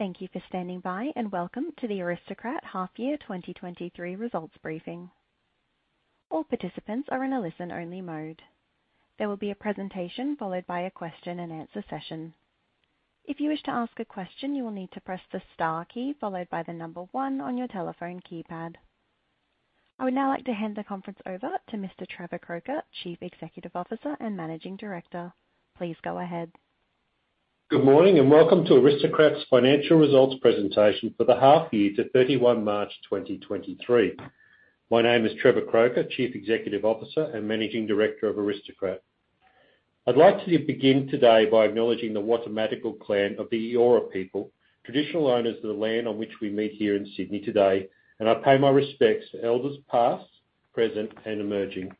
Thank you for standing by. Welcome to the Aristocrat Half Year 2023 Results Briefing. All participants are in a listen-only mode. There will be a presentation followed by a question-and-answer session. If you wish to ask a question, you will need to press the Star key followed by one on your telephone keypad. I would now like to hand the conference over to Mr. Trevor Croker, Chief Executive Officer and Managing Director. Please go ahead. Good morning, welcome to Aristocrat's financial results presentation for the half year to March 31st, 2023. My name is Trevor Croker, Chief Executive Officer and Managing Director of Aristocrat. I'd like to begin today by acknowledging the Wallumettagal clan of the Eora people, traditional owners of the land on which we meet here in Sydney today, and I pay my respects to elders past, present, and emerging.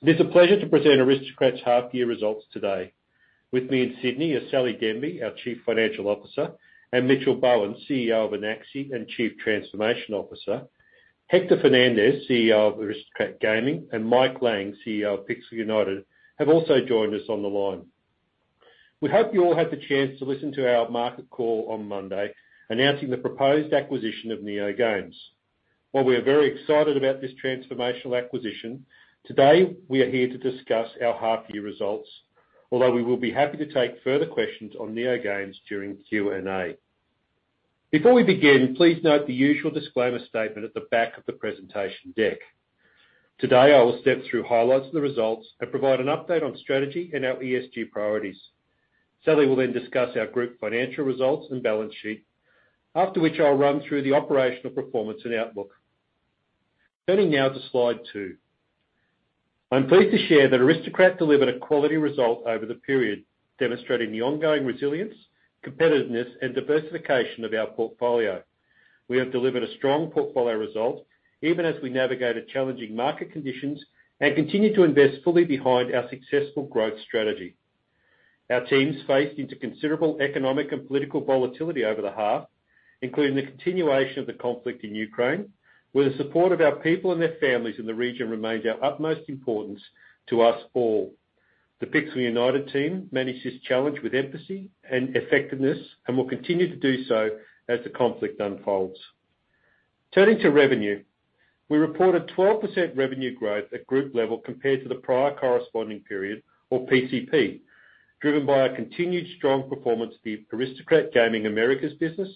It is a pleasure to present Aristocrat's half year results today. With me in Sydney is Sally Denby, our Chief Financial Officer, and Mitchell Bowen, CEO of Anaxi and Chief Transformation Officer. Hector Fernandez, CEO of Aristocrat Gaming, and Mike Lang, CEO of Pixel United, have also joined us on the line. We hope you all had the chance to listen to our market call on Monday announcing the proposed acquisition of NeoGames. While we are very excited about this transformational acquisition, today we are here to discuss our half year results, although we will be happy to take further questions on NeoGames during Q&A. Before we begin, please note the usual disclaimer statement at the back of the presentation deck. Today, I will step through highlights of the results and provide an update on strategy and our ESG priorities. Sally will then discuss our group financial results and balance sheet. After which, I'll run through the operational performance and outlook. Turning now to slide two. I'm pleased to share that Aristocrat delivered a quality result over the period, demonstrating the ongoing resilience, competitiveness, and diversification of our portfolio. We have delivered a strong portfolio result, even as we navigate challenging market conditions and continue to invest fully behind our successful growth strategy. Our teams faced into considerable economic and political volatility over the half, including the continuation of the conflict in Ukraine, where the support of our people and their families in the region remains our utmost importance to us all. The Pixel United team managed this challenge with empathy and effectiveness and will continue to do so as the conflict unfolds. Turning to revenue. We reported 12% revenue growth at group level compared to the prior corresponding period or PCP, driven by our continued strong performance, the Aristocrat Gaming Americas business,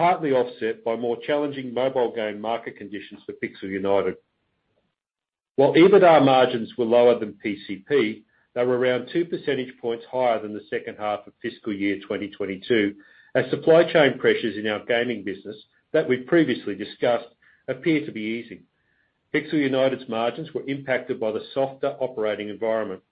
partly offset by more challenging mobile game market conditions for Pixel United. While EBITDA margins were lower than PCP, they were around 2 percentage points higher than the second half of fiscal year 2022 as supply chain pressures in our gaming business that we've previously discussed appear to be easing. Pixel United's margins were impacted by the softer operating environment.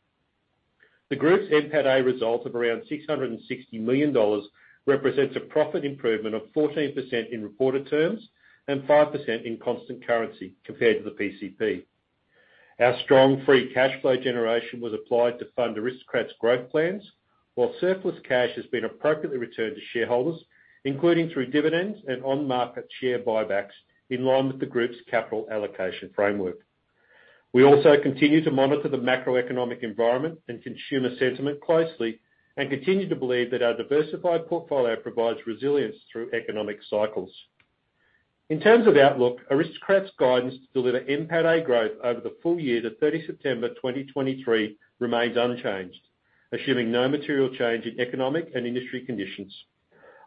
The group's NPATA result of around 660 million dollars represents a profit improvement of 14% in reported terms and 5% in constant currency compared to the PCP. Our strong free cash flow generation was applied to fund Aristocrat's growth plans, while surplus cash has been appropriately returned to shareholders, including through dividends and on-market share buybacks in line with the group's capital allocation framework. We also continue to monitor the macroeconomic environment and consumer sentiment closely and continue to believe that our diversified portfolio provides resilience through economic cycles. In terms of outlook, Aristocrat's guidance to deliver NPATA growth over the full year to September 30th 2023 remains unchanged, assuming no material change in economic and industry conditions.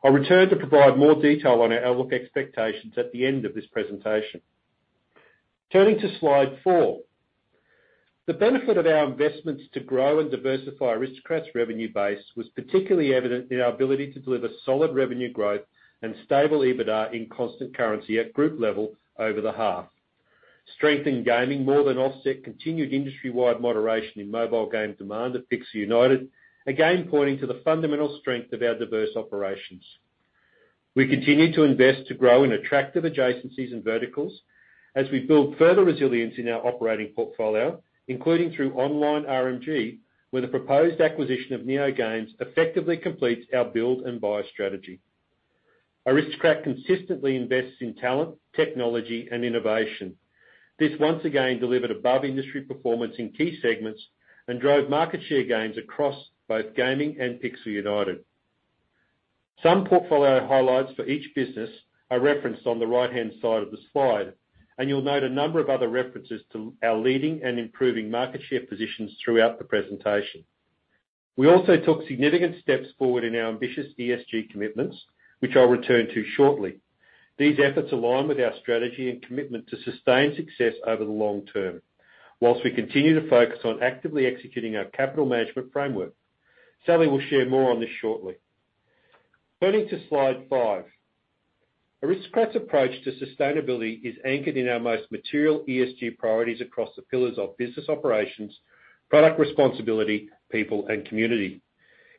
I'll return to provide more detail on our outlook expectations at the end of this presentation. Turning to slide four. The benefit of our investments to grow and diversify Aristocrat's revenue base was particularly evident in our ability to deliver solid revenue growth and stable EBITDA in constant currency at group level over the half. Strength in gaming more than offset continued industry-wide moderation in mobile game demand at Pixel United, again, pointing to the fundamental strength of our diverse operations. We continue to invest to grow in attractive adjacencies and verticals as we build further resilience in our operating portfolio, including through online RMG, where the proposed acquisition of NeoGames effectively completes our build and buy strategy. Aristocrat consistently invests in talent, technology, and innovation. This once again delivered above industry performance in key segments and drove market share gains across both gaming and Pixel United. Some portfolio highlights for each business are referenced on the right-hand side of the slide, and you'll note a number of other references to our leading and improving market share positions throughout the presentation. We also took significant steps forward in our ambitious ESG commitments, which I'll return to shortly. These efforts align with our strategy and commitment to sustain success over the long term, while we continue to focus on actively executing our capital management framework. Sally will share more on this shortly. Turning to slide five. Aristocrat's approach to sustainability is anchored in our most material ESG priorities across the pillars of business operations, product responsibility, people, and community.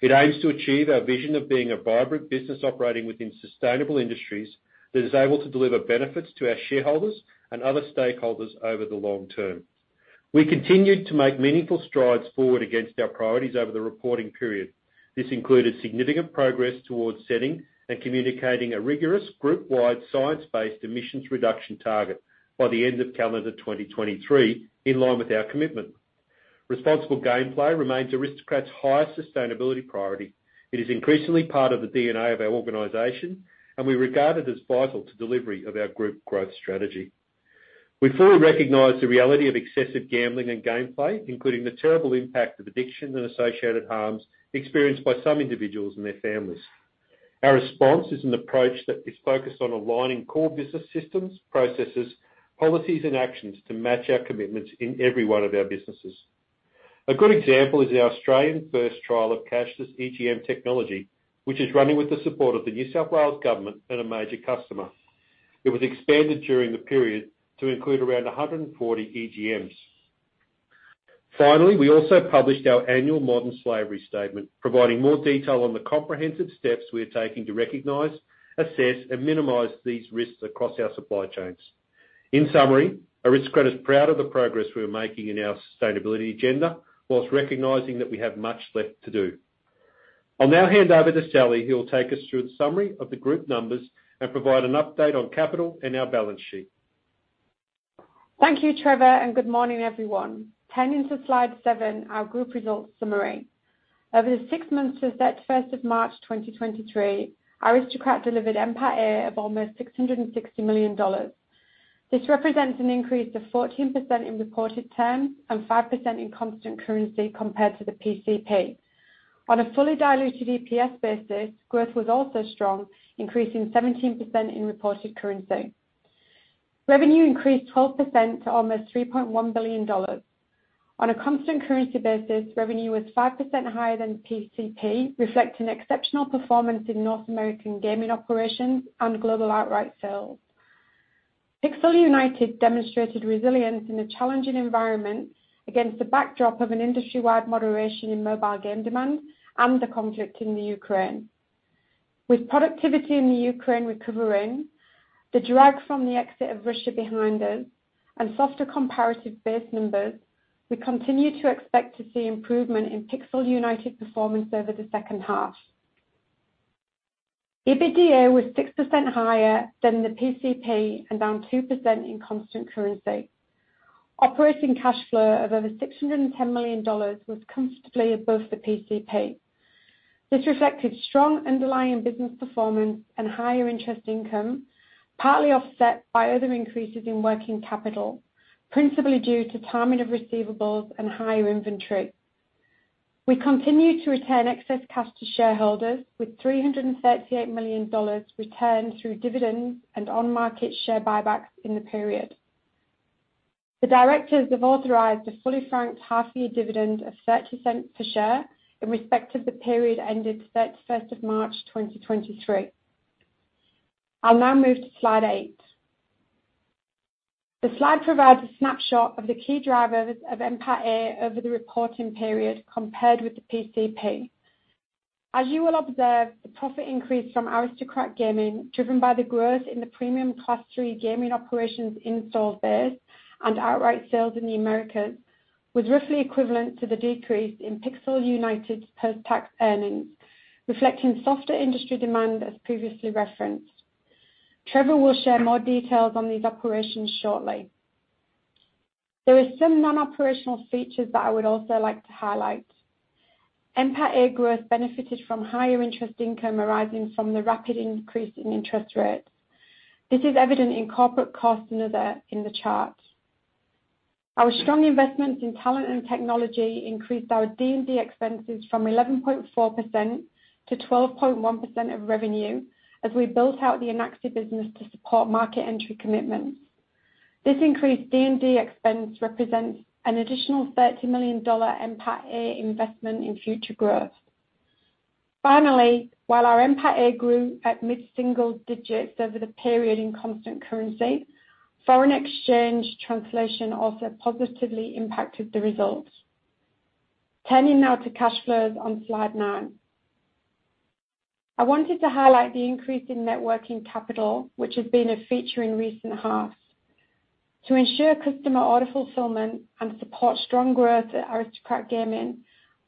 It aims to achieve our vision of being a vibrant business operating within sustainable industries that is able to deliver benefits to our shareholders and other stakeholders over the long term. We continued to make meaningful strides forward against our priorities over the reporting period. This included significant progress towards setting and communicating a rigorous group-wide, science-based emissions reduction target by the end of calendar 2023, in line with our commitment. Responsible gameplay remains Aristocrat's highest sustainability priority. It is increasingly part of the DNA of our organization, and we regard it as vital to delivery of our group growth strategy. We fully recognize the reality of excessive gambling and gameplay, including the terrible impact of addictions and associated harms experienced by some individuals and their families. Our response is an approach that is focused on aligning core business systems, processes, policies, and actions to match our commitments in every one of our businesses. A good example is our Australian-first trial of cashless EGM technology, which is running with the support of the New South Wales government and a major customer. It was expanded during the period to include around 140 EGMs. Finally, we also published our annual Modern Slavery Statement, providing more detail on the comprehensive steps we are taking to recognize, assess, and minimize these risks across our supply chains. In summary, Aristocrat is proud of the progress we are making in our sustainability agenda, while recognizing that we have much left to do. I'll now hand over to Sally, who will take us through the summary of the group numbers and provide an update on capital and our balance sheet. Thank you, Trevor, and good morning, everyone. Turning to slide seven, our group results summary. Over the six months to March 31st, 2023, Aristocrat delivered NPATA of almost 660 million dollars. This represents an increase of 14% in reported terms and 5% in constant currency compared to the PCP. On a fully diluted EPS basis, growth was also strong, increasing 17% in reported currency. Revenue increased 12% to almost 3.1 billion dollars. On a constant currency basis, revenue was 5% higher than PCP, reflecting exceptional performance in North American gaming operations and global outright sales. Pixel United demonstrated resilience in a challenging environment against the backdrop of an industry-wide moderation in mobile game demand and the conflict in the Ukraine. With productivity in the Ukraine recovering, the drag from the exit of Russia behind us, and softer comparative base numbers, we continue to expect to see improvement in Pixel United's performance over the second half. EBITDA was 6% higher than the PCP and down 2% in constant currency. Operating cash flow of over 610 million dollars was comfortably above the PCP. This reflected strong underlying business performance and higher interest income, partly offset by other increases in working capital, principally due to timing of receivables and higher inventory. We continue to return excess cash to shareholders with 338 million dollars returned through dividends and on-market share buybacks in the period. The directors have authorized a fully franked half-year dividend of 0.30 per share in respect of the period ended of March 31st, 2023. I'll now move to slide eight. The slide provides a snapshot of the key drivers of NPATA over the reporting period compared with the PCP. As you will observe, the profit increase from Aristocrat Gaming, driven by the growth in the premium Class III gaming operations install base and outright sales in the Americas, was roughly equivalent to the decrease in Pixel United's post-tax earnings, reflecting softer industry demand, as previously referenced. Trevor will share more details on these operations shortly. There are some non-operational features that I would also like to highlight. NPATA growth benefited from higher interest income arising from the rapid increase in interest rates. This is evident in corporate cost in the chart. Our strong investments in talent and technology increased our D&D expenses from 11.4%-12.1% of revenue as we built out the Anaxi business to support market entry commitments. This increased D&D expense represents an additional 30 million dollar NPATA investment in future growth. While our NPATA grew at mid-single digits over the period in constant currency, foreign exchange translation also positively impacted the results. Turning now to cash flows on slide nine. I wanted to highlight the increase in net working capital, which has been a feature in recent halves. To ensure customer order fulfillment and support strong growth at Aristocrat Gaming,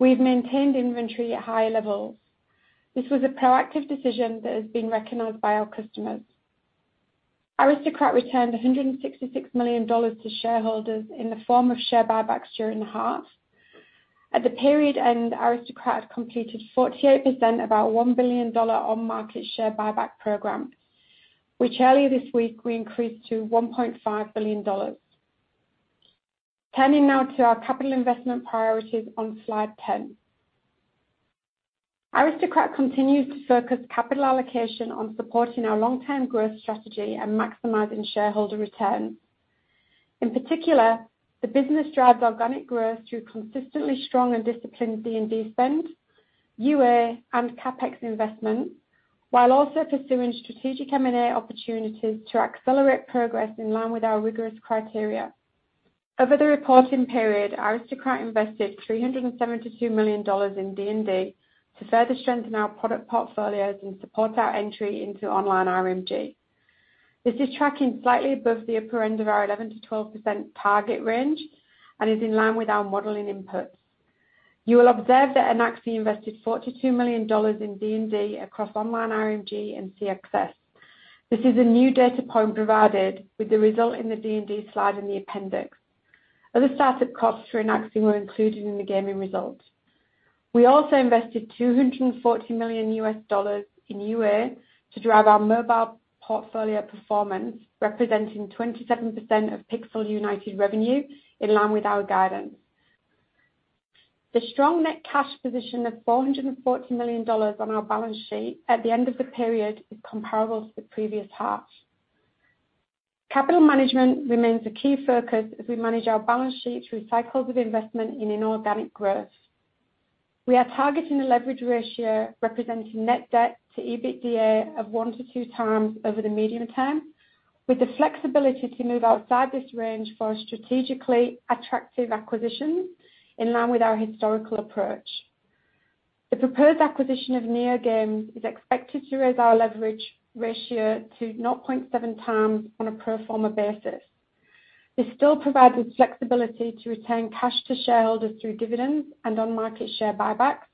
we've maintained inventory at higher levels. This was a proactive decision that has been recognized by our customers. Aristocrat returned 166 million dollars to shareholders in the form of share buybacks during the half. At the period end, Aristocrat completed 48% of our 1 billion dollar on-market share buyback program, which earlier this week we increased to 1.5 billion dollars. Turning now to our capital investment priorities on Slide 10. Aristocrat continues to focus capital allocation on supporting our long-term growth strategy and maximizing shareholder returns. In particular, the business drives organic growth through consistently strong and disciplined D&D spend, UA, and CapEx investments, while also pursuing strategic M&A opportunities to accelerate progress in line with our rigorous criteria. Over the reporting period, Aristocrat invested 372 million dollars in D&D to further strengthen our product portfolios and support our entry into online RMG. This is tracking slightly above the upper end of our 11%-12% target range and is in line with our modeling inputs. You will observe that Anaxi invested 42 million dollars in D&D across online RMG and CXS. This is a new data point provided with the result in the D&D slide in the appendix. Other startup costs for Anaxi were included in the gaming results. We also invested $240 million in UA to drive our mobile portfolio performance, representing 27% of Pixel United revenue, in line with our guidance. The strong net cash position of $440 million on our balance sheet at the end of the period is comparable to the previous half. Capital management remains a key focus as we manage our balance sheet through cycles of investment in inorganic growth. We are targeting a leverage ratio representing net debt to EBITDA of 1x-2x over the medium term, with the flexibility to move outside this range for strategically attractive acquisitions in line with our historical approach. The proposed acquisition of NeoGames is expected to raise our leverage ratio to 0.7x on a pro forma basis. This still provides the flexibility to return cash to shareholders through dividends and on-market share buybacks,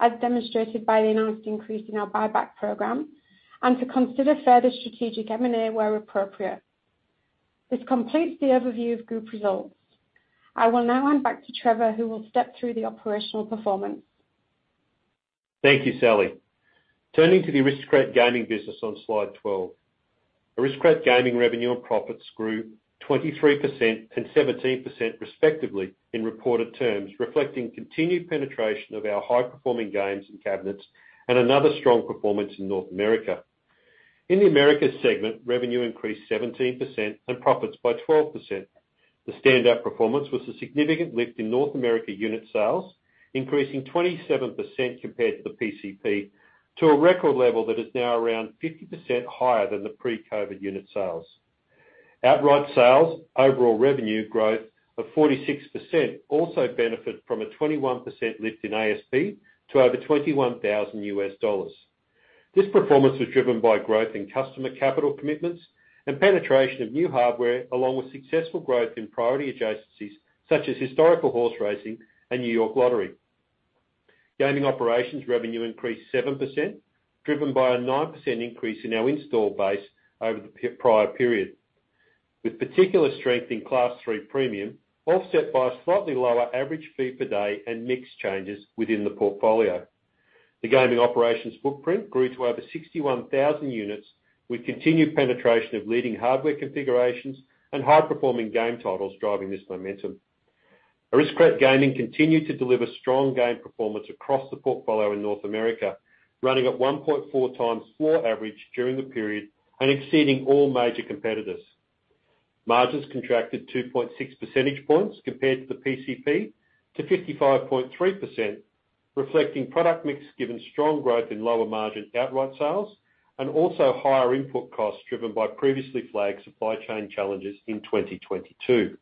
as demonstrated by the announced increase in our buyback program, and to consider further strategic M&A where appropriate. This completes the overview of group results. I will now hand back to Trevor, who will step through the operational performance. Thank you, Sally. Turning to the Aristocrat Gaming business on Slide 12. Aristocrat Gaming revenue and profits grew 23% and 17% respectively in reported terms, reflecting continued penetration of our high-performing games and cabinets and another strong performance in North America. In the Americas segment, revenue increased 17% and profits by 12%. The standout performance was a significant lift in North America unit sales, increasing 27% compared to the PCP, to a record level that is now around 50% higher than the pre-COVID unit sales. Outright sales, overall revenue growth of 46% also benefit from a 21% lift in ASP to over $21,000. This performance was driven by growth in customer capital commitments and penetration of new hardware, along with successful growth in priority adjacencies such as historical horse racing and New York Lottery. Gaming operations revenue increased 7%, driven by a 9% increase in our install base over the prior period, with particular strength in Class III premium, offset by a slightly lower average fee per day and mix changes within the portfolio. The gaming operations footprint grew to over 61,000 units, with continued penetration of leading hardware configurations and high-performing game titles driving this momentum. Aristocrat Gaming continued to deliver strong game performance across the portfolio in North America, running at 1.4x floor average during the period and exceeding all major competitors. Margins contracted 2.6 percentage points compared to the PCP to 55.3%, reflecting product mix given strong growth in lower-margin outright sales and also higher input costs driven by previously flagged supply chain challenges in 2022.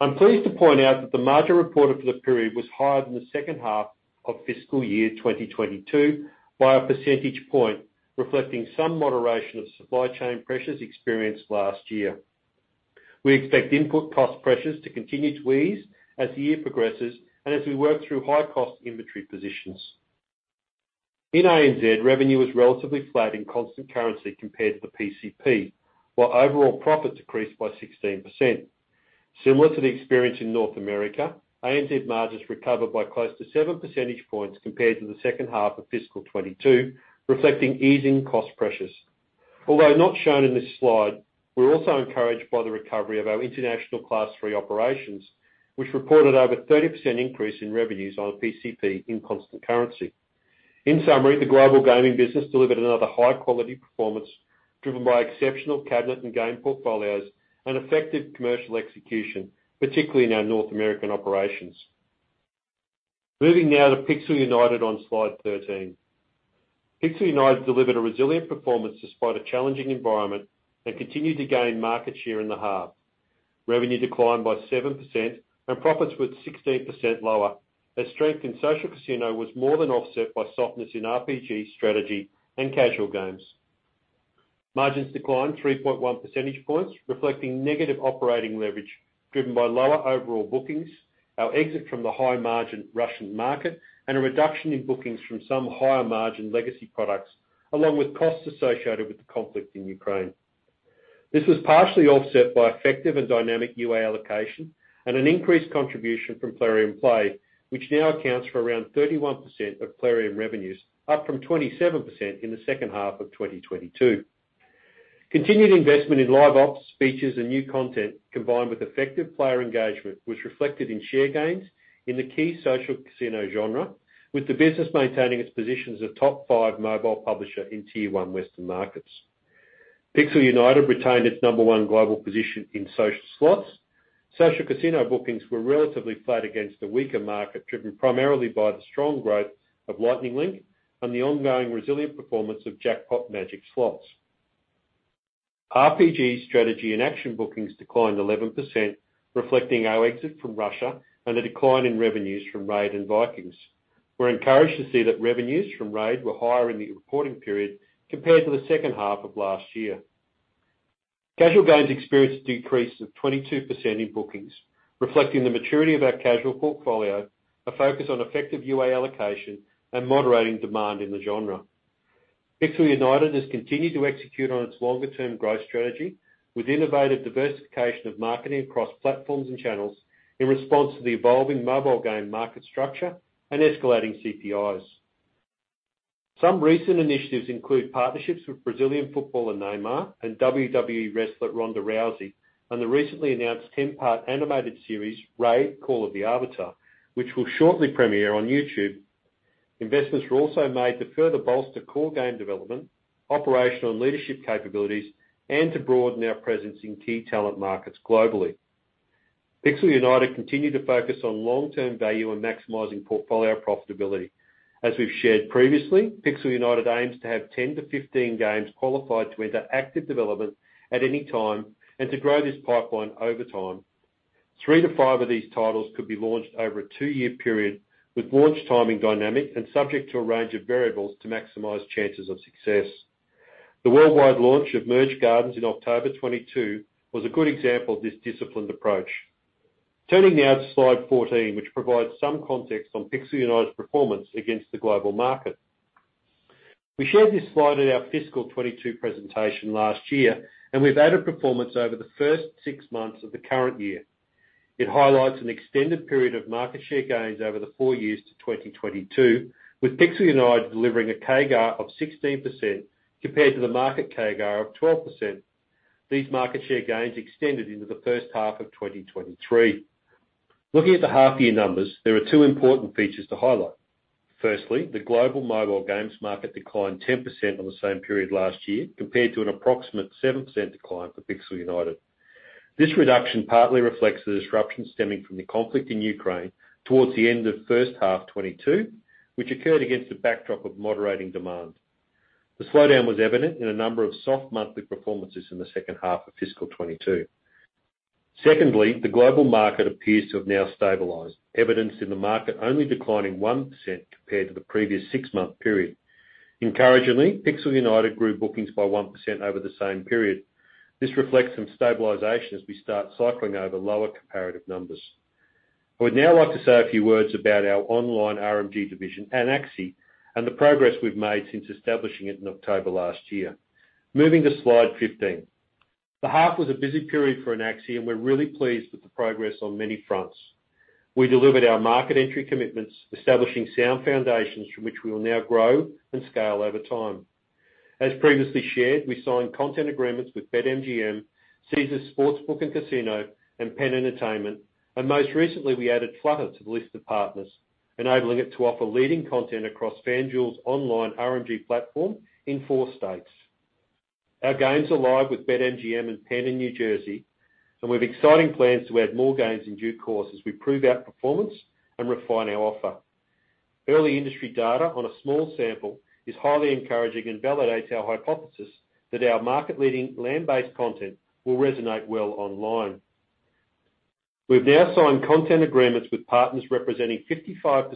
I'm pleased to point out that the margin reported for the period was higher than the second half of fiscal year 2022 by a percentage point, reflecting some moderation of supply chain pressures experienced last year. We expect input cost pressures to continue to ease as the year progresses and as we work through high-cost inventory positions. In ANZ, revenue was relatively flat in constant currency compared to the PCP, while overall profits decreased by 16%. Similar to the experience in North America, ANZ margins recovered by close to seven percentage points compared to the second half of fiscal 2022, reflecting easing cost pressures. Not shown in this slide, we're also encouraged by the recovery of our international Class III operations, which reported over 30% increase in revenues on a PCP in constant currency. In summary, the global gaming business delivered another high-quality performance driven by exceptional cabinet and game portfolios and effective commercial execution, particularly in our North American operations. Moving now to Pixel United on Slide 13. Pixel United delivered a resilient performance despite a challenging environment and continued to gain market share in the half. Revenue declined by 7% and profits were at 16% lower, as strength in social casino was more than offset by softness in RPG, strategy, and casual games. Margins declined 3.1 percentage points, reflecting negative operating leverage driven by lower overall bookings, our exit from the high-margin Russian market, and a reduction in bookings from some higher-margin legacy products, along with costs associated with the conflict in Ukraine. This was partially offset by effective and dynamic UA allocation and an increased contribution from Plarium Play, which now accounts for around 31% of Plarium revenues, up from 27% in the second half of 2022. Continued investment in Live Ops, features, and new content, combined with effective player engagement, was reflected in share gains in the key social casino genre, with the business maintaining its position as a top five mobile publisher in Tier 1 Western markets. Pixel United retained its number one global position in Social Slots. Social casino bookings were relatively flat against a weaker market, driven primarily by the strong growth of Lightning Link and the ongoing resilient performance of Jackpot Magic Slots. RPG, strategy, and action bookings declined 11%, reflecting our exit from Russia and a decline in revenues from Raid and Vikings. We're encouraged to see that revenues from RAID were higher in the reporting period compared to the second half of last year. Casual games experienced a decrease of 22% in bookings, reflecting the maturity of our casual portfolio, a focus on effective UA allocation, and moderating demand in the genre. Pixel United has continued to execute on its longer-term growth strategy with innovative diversification of marketing across platforms and channels in response to the evolving mobile game market structure and escalating CPIs. Some recent initiatives include partnerships with Brazilian footballer Neymar and WWE wrestler Ronda Rousey on the recently announced 10-part animated series, RAID: Call of the Arbiter, which will shortly premiere on YouTube. Investments were also made to further bolster core game development, operational and leadership capabilities, and to broaden our presence in key talent markets globally. Pixel United continued to focus on long-term value and maximizing portfolio profitability. As we've shared previously, Pixel United aims to have 10 games-15 games qualified to enter active development at any time and to grow this pipeline over time. 3-5 of these titles could be launched over a two-year period with launch timing dynamic and subject to a range of variables to maximize chances of success. The worldwide launch of Merge Gardens in October 2022 was a good example of this disciplined approach. Turning now to Slide 14, which provides some context on Pixel United's performance against the global market. We shared this slide at our fiscal 2022 presentation last year, and we've added performance over the first six months of the current year. It highlights an extended period of market share gains over the four years to 2022, with Pixel United delivering a CAGR of 16% compared to the market CAGR of 12%. These market share gains extended into the first half of 2023. Looking at the half-year numbers, there are two important features to highlight. Firstly, the global mobile games market declined 10% on the same period last year compared to an approximate 7% decline for Pixel United. This reduction partly reflects the disruption stemming from the conflict in Ukraine towards the end of first half 2022, which occurred against the backdrop of moderating demand. The slowdown was evident in a number of soft monthly performances in the second half of fiscal 2022. Secondly, the global market appears to have now stabilized, evidenced in the market only declining 1% compared to the previous six-month period. Encouragingly, Pixel United grew bookings by 1% over the same period. This reflects some stabilization as we start cycling over lower comparative numbers. I would now like to say a few words about our online RNG division, Anaxi, and the progress we've made since establishing it in October last year. Moving to Slide 15. The half was a busy period for Anaxi, and we're really pleased with the progress on many fronts. We delivered our market entry commitments, establishing sound foundations from which we will now grow and scale over time. As previously shared, we signed content agreements with BetMGM, Caesars Sportsbook and Casino, and PENN Entertainment. Most recently, we added Flutter to the list of partners, enabling it to offer leading content across FanDuel's online RNG platform in four states. Our games are live with BetMGM and PENN in New Jersey, and we have exciting plans to add more games in due course as we prove our performance and refine our offer. Early industry data on a small sample is highly encouraging and validates our hypothesis that our market-leading land-based content will resonate well online. We've now signed content agreements with partners representing 55%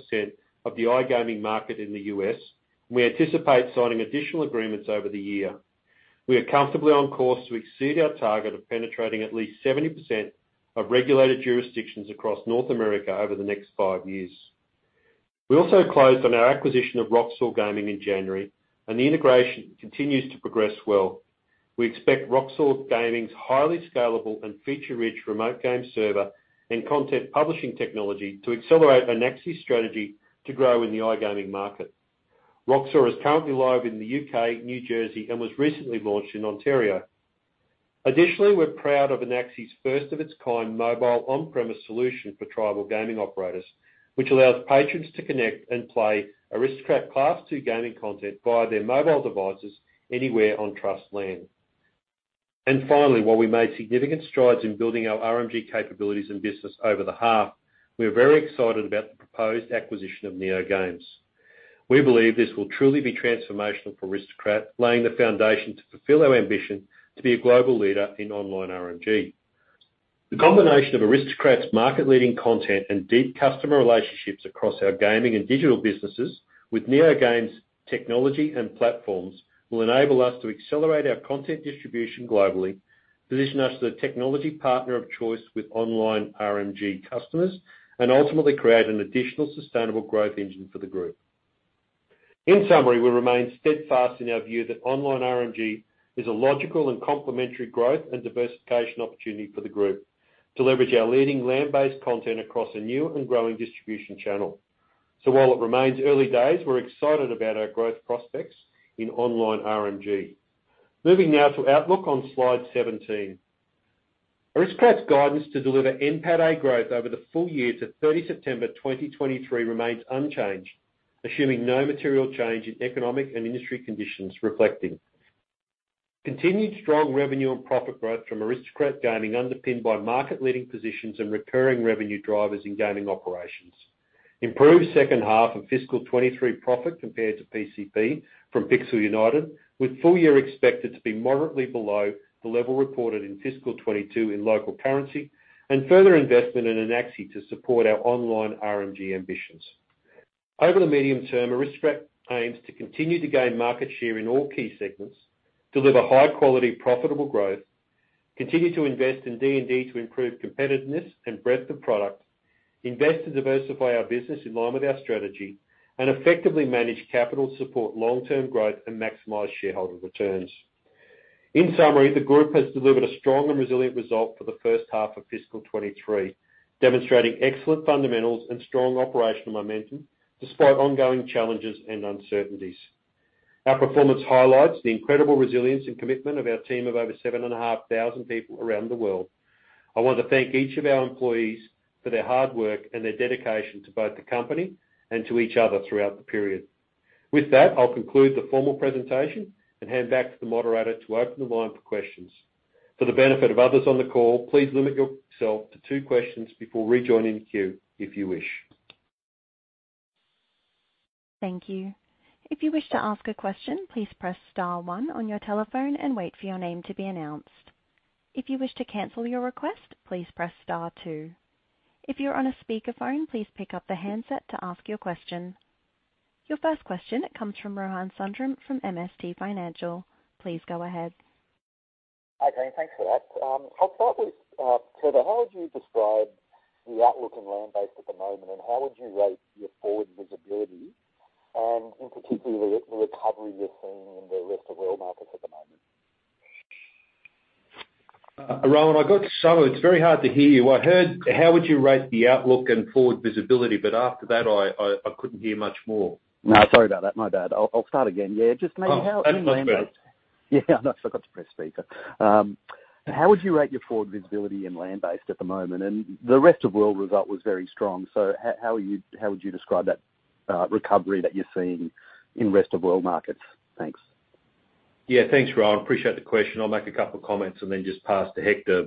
of the iGaming market in the U.S. We anticipate signing additional agreements over the year. We are comfortably on course to exceed our target of penetrating at least 70% of regulated jurisdictions across North America over the next five years. We also closed on our acquisition of Roxor Gaming in January, and the integration continues to progress well. We expect Roxor Gaming's highly scalable and feature-rich Remote Game Server and content publishing technology to accelerate Anaxi's strategy to grow in the iGaming market. Roxor is currently live in the U.K., New Jersey, and was recently launched in Ontario. Additionally, we're proud of Anaxi's first of its kind mobile on-premise solution for tribal gaming operators, which allows patrons to connect and play Aristocrat Class II gaming content via their mobile devices anywhere on trust land. Finally, while we made significant strides in building our RNG capabilities and business over the half, we are very excited about the proposed acquisition of NeoGames. We believe this will truly be transformational for Aristocrat, laying the foundation to fulfill our ambition to be a global leader in online RNG. The combination of Aristocrat's market-leading content and deep customer relationships across our gaming and digital businesses with NeoGames technology and platforms will enable us to accelerate our content distribution globally, position us as a technology partner of choice with online RNG customers, and ultimately create an additional sustainable growth engine for the group. In summary, we remain steadfast in our view that online RNG is a logical and complementary growth and diversification opportunity for the group to leverage our leading land-based content across a new and growing distribution channel. While it remains early days, we're excited about our growth prospects in online RNG. Moving now to outlook on Slide 17. Aristocrat's guidance to deliver NPATA growth over the full year to September 30th, 2023 remains unchanged, assuming no material change in economic and industry conditions reflecting: continued strong revenue and profit growth from Aristocrat Gaming underpinned by market-leading positions and recurring revenue drivers in gaming operations, improved second half of fiscal 2023 profit compared to PCP from Pixel United, with full year expected to be moderately below the level reported in fiscal 2022 in local currency, and further investment in Anaxi to support our online RNG ambitions. Over the medium term, Aristocrat aims to continue to gain market share in all key segments, deliver high-quality, profitable growth, continue to invest in D&D to improve competitiveness and breadth of product, invest to diversify our business in line with our strategy, and effectively manage capital, support long-term growth, and maximize shareholder returns. In summary, the group has delivered a strong and resilient result for the first half of fiscal 2023, demonstrating excellent fundamentals and strong operational momentum despite ongoing challenges and uncertainties. Our performance highlights the incredible resilience and commitment of our team of over 7,500 people around the world. I want to thank each of our employees for their hard work and their dedication to both the company and to each other throughout the period. I'll conclude the formal presentation and hand back to the moderator to open the line for questions. For the benefit of others on the call, please limit yourself to two questions before rejoining the queue if you wish. Thank you. If you wish to ask a question, please press star one on your telephone and wait for your name to be announced. If you wish to cancel your request, please press star two. If you're on a speakerphone, please pick up the handset to ask your question. Your first question comes from Rohan Sundram from MST Financial. Please go ahead. Hi, team. Thanks for that. I'll start with Trevor. How would you describe the outlook in land-based at the moment, and how would you rate your forward visibility, in particularly the recovery you're seeing in the rest of world markets at the moment? Rohan, I got some of it. It's very hard to hear you. I heard how would you rate the outlook and forward visibility? After that, I couldn't hear much more. No, sorry about that. My bad. I'll start again. Yeah, just mainly how in land-based- Oh, that's much better. Yeah. I forgot to press speaker. How would you rate your forward visibility in land-based at the moment? The rest of world result was very strong. How would you describe that recovery that you're seeing in rest of world markets? Thanks. Yeah. Thanks, Rohan. Appreciate the question. I'll make a couple comments and then just pass to Hector.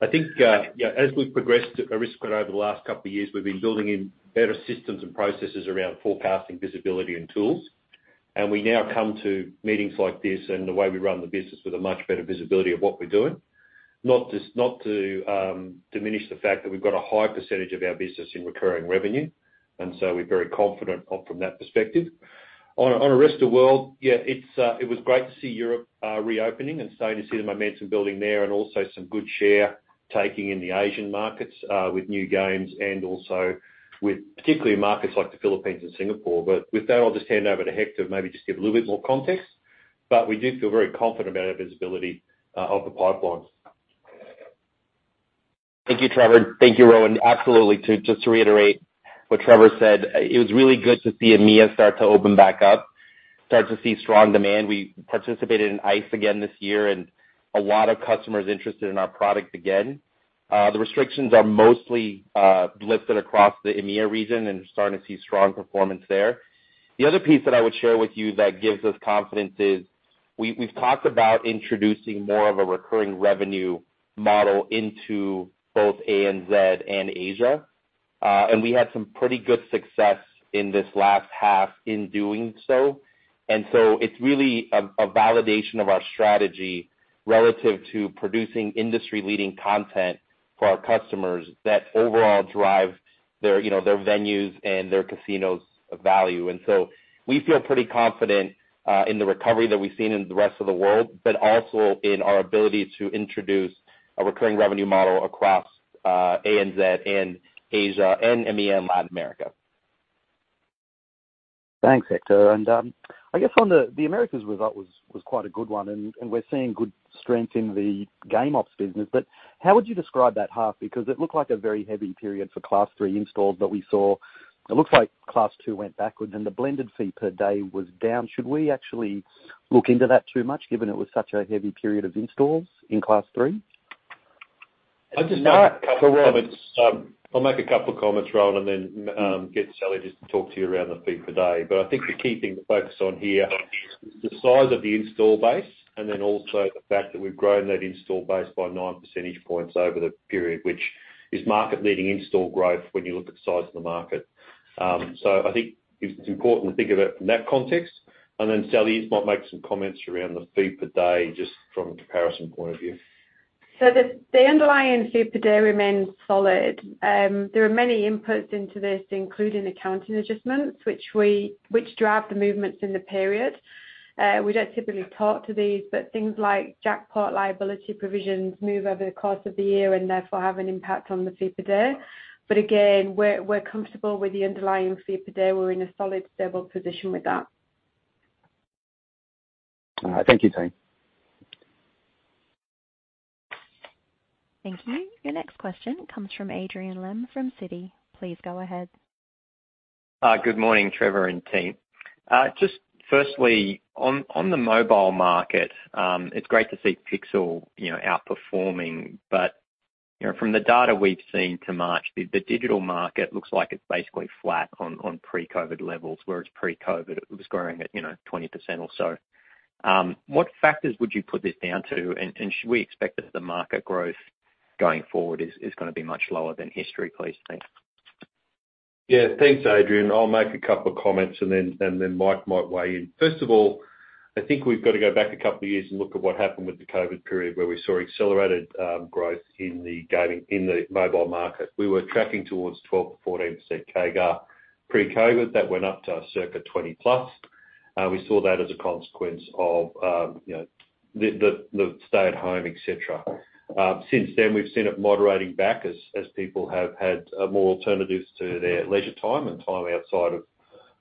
I think, yeah, as we've progressed at Aristocrat over the last couple of years, we've been building in better systems and processes around forecasting visibility and tools. We now come to meetings like this and the way we run the business with a much better visibility of what we're doing. Not to diminish the fact that we've got a high percentage of our business in recurring revenue, we're very confident from that perspective. On a rest of world, yeah, it's, it was great to see Europe reopening and starting to see the momentum building there and also some good share taking in the Asian markets with new games and also with particularly markets like the Philippines and Singapore. With that, I'll just hand over to Hector, maybe just give a little bit more context. We do feel very confident about our visibility of the pipeline. Thank you, Trevor. Thank you, Rohan. Absolutely, just to reiterate what Trevor said, it was really good to see EMEA start to open back up, start to see strong demand. We participated in ICE again this year and a lot of customers interested in our product again. The restrictions are mostly lifted across the EMEA region and starting to see strong performance there. The other piece that I would share with you that gives us confidence is we've talked about introducing more of a recurring revenue model into both ANZ and Asia, and we had some pretty good success in this last half in doing so. It's really a validation of our strategy relative to producing industry-leading content for our customers that overall drive their, you know, their venues and their casinos of value. We feel pretty confident in the recovery that we've seen in the rest of the world, but also in our ability to introduce a recurring revenue model across ANZ and Asia and MEA and Latin America. Thanks, Hector. I guess on the Americas result was quite a good one, and we're seeing good strength in the game ops business. How would you describe that half? It looked like a very heavy period for Class III installs, we saw it looks like Class II went backwards and the blended fee per day was down. Should we actually look into that too much, given it was such a heavy period of installs in Class III? I'll make a couple of comments, Rohan, and then get Sally just to talk to you around the fee per day. I think the key thing to focus on here is the size of the install base and then also the fact that we've grown that install base by 9 percentage points over the period, which is market-leading install growth when you look at the size of the market. I think it's important to think of it from that context. Sally might make some comments around the fee per day just from a comparison point of view. The underlying fee per day remains solid. There are many inputs into this, including accounting adjustments, which drive the movements in the period. We don't typically talk to these, things like jackpot liability provisions move over the course of the year and therefore have an impact on the fee per day. Again, we're comfortable with the underlying fee per day. We're in a solid, stable position with that. All right. Thank you, team. Thank you. Your next question comes from Adrian Lemme from Citi. Please go ahead. Good morning, Trevor and team. Just firstly, on the mobile market, it's great to see Pixel, you know, outperforming. From the data we've seen to March, the digital market looks like it's basically flat on pre-COVID levels, whereas pre-COVID it was growing at, you know, 20% or so. What factors would you put this down to? Should we expect that the market growth going forward is gonna be much lower than history, please, thanks? Thanks, Adrian. I'll make a couple of comments and then Mike might weigh in. First of all, I think we've got to go back a couple of years and look at what happened with the COVID period where we saw accelerated growth in the mobile market. We were tracking towards 12%-14% CAGR pre-COVID. That went up to circa 20+. We saw that as a consequence of, you know, the stay-at-home, et cetera. Since then, we've seen it moderating back as people have had more alternatives to their leisure time and time outside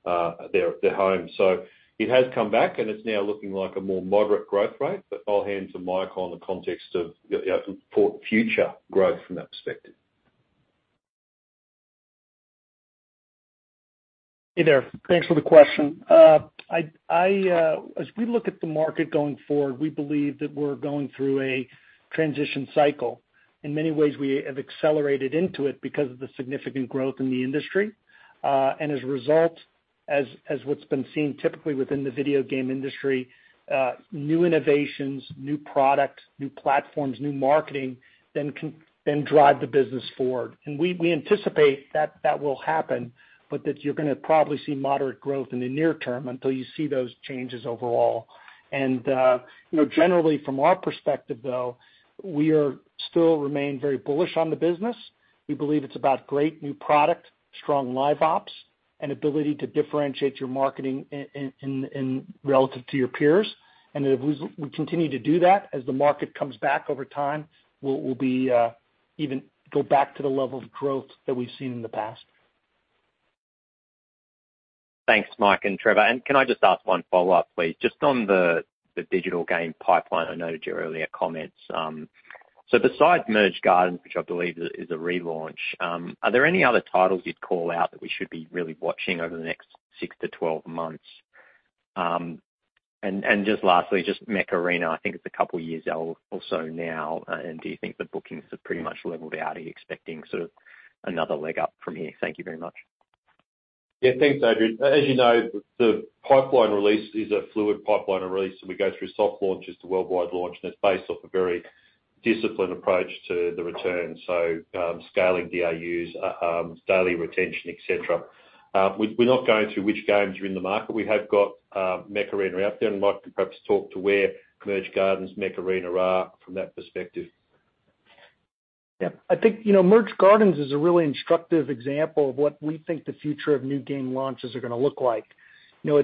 of their home. It has come back, and it's now looking like a more moderate growth rate. I'll hand to Mike on the context of, you know, for future growth from that perspective. Hey there. Thanks for the question. As we look at the market going forward, we believe that we're going through a transition cycle. In many ways, we have accelerated into it because of the significant growth in the industry. As a result, as what's been seen typically within the video game industry, new innovations, new products, new platforms, new marketing then drive the business forward. We anticipate that that will happen, but that you're gonna probably see moderate growth in the near term until you see those changes overall. You know, generally from our perspective, though, we are still remain very bullish on the business. We believe it's about great new product, strong Live Ops, and ability to differentiate your marketing in relative to your peers. If we continue to do that as the market comes back over time, we'll be even go back to the level of growth that we've seen in the past. Thanks, Mike and Trevor. Can I just ask one follow-up, please? Just on the digital game pipeline, I noted your earlier comments. Besides Merge Gardens, which I believe is a relaunch, are there any other titles you'd call out that we should be really watching over the next 6 months-12 months? Lastly, just Mech Arena, I think it's a couple years old also now, do you think the bookings have pretty much leveled out? Are you expecting sort of another leg up from here? Thank you very much. Yeah. Thanks, Adrian. As you know, the pipeline release is a fluid pipeline release, so we go through soft launches to worldwide launch, and it's based off a very disciplined approach to the return. Scaling DAUs, daily retention, et cetera. We're not going through which games are in the market. We have got Mech Arena out there and Mike can perhaps talk to where Merge Gardens, Mech Arena are from that perspective. Yeah. I think, you know, Merge Gardens is a really instructive example of what we think the future of new game launches are gonna look like. You know,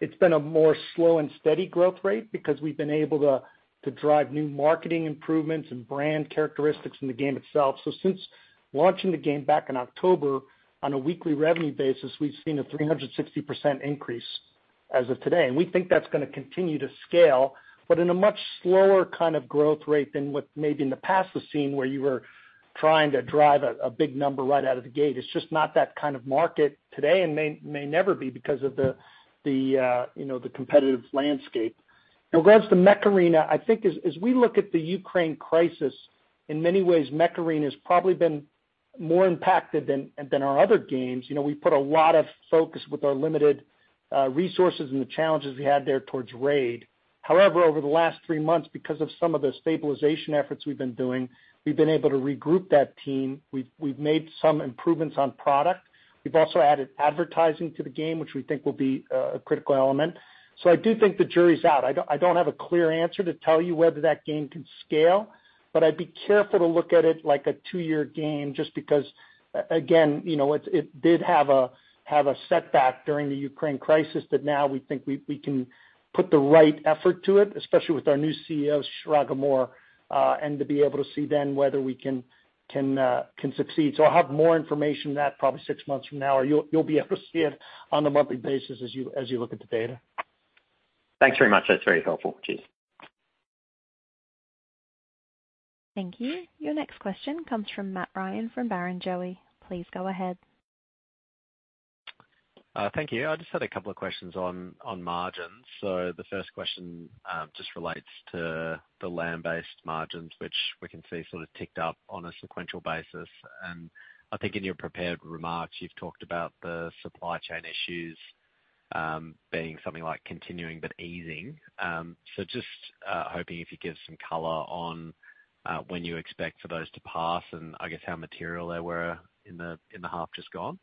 it's been a more slow and steady growth rate because we've been able to drive new marketing improvements and brand characteristics in the game itself. Since launching the game back in October, on a weekly revenue basis, we've seen a 360% increase as of today. We think that's gonna continue to scale, but in a much slower kind of growth rate than what maybe in the past was seen, where you were trying to drive a big number right out of the gate. It's just not that kind of market today and may never be because of the, you know, the competitive landscape. Now, regards to Mech Arena, I think as we look at the Ukraine crisis, in many ways, Mech Arena's probably been more impacted than our other games. You know, we put a lot of focus with our limited resources and the challenges we had there towards Raid. However, over the last three months, because of some of the stabilization efforts we've been doing, we've been able to regroup that team. We've made some improvements on product. We've also added advertising to the game, which we think will be a critical element. I do think the jury's out. I don't have a clear answer to tell you whether that game can scale, but I'd be careful to look at it like a two-year game just because, again, you know, it did have a setback during the Ukraine crisis that now we think we can put the right effort to it, especially with our new CEO, Shiraga Moore, and to be able to see then whether we can succeed. I'll have more information on that probably six months from now, or you'll be able to see it on a monthly basis as you look at the data. Thanks very much. That's very helpful. Cheers. Thank you. Your next question comes from Matt Ryan from Barrenjoey. Please go ahead. Thank you. I just had two questions on margins. The first question just relates to the land-based margins, which we can see sort of ticked up on a sequential basis. I think in your prepared remarks, you've talked about the supply chain issues being something like continuing but easing. Just hoping if you give some color on when you expect for those to pass, and I guess how material they were in the half just gone.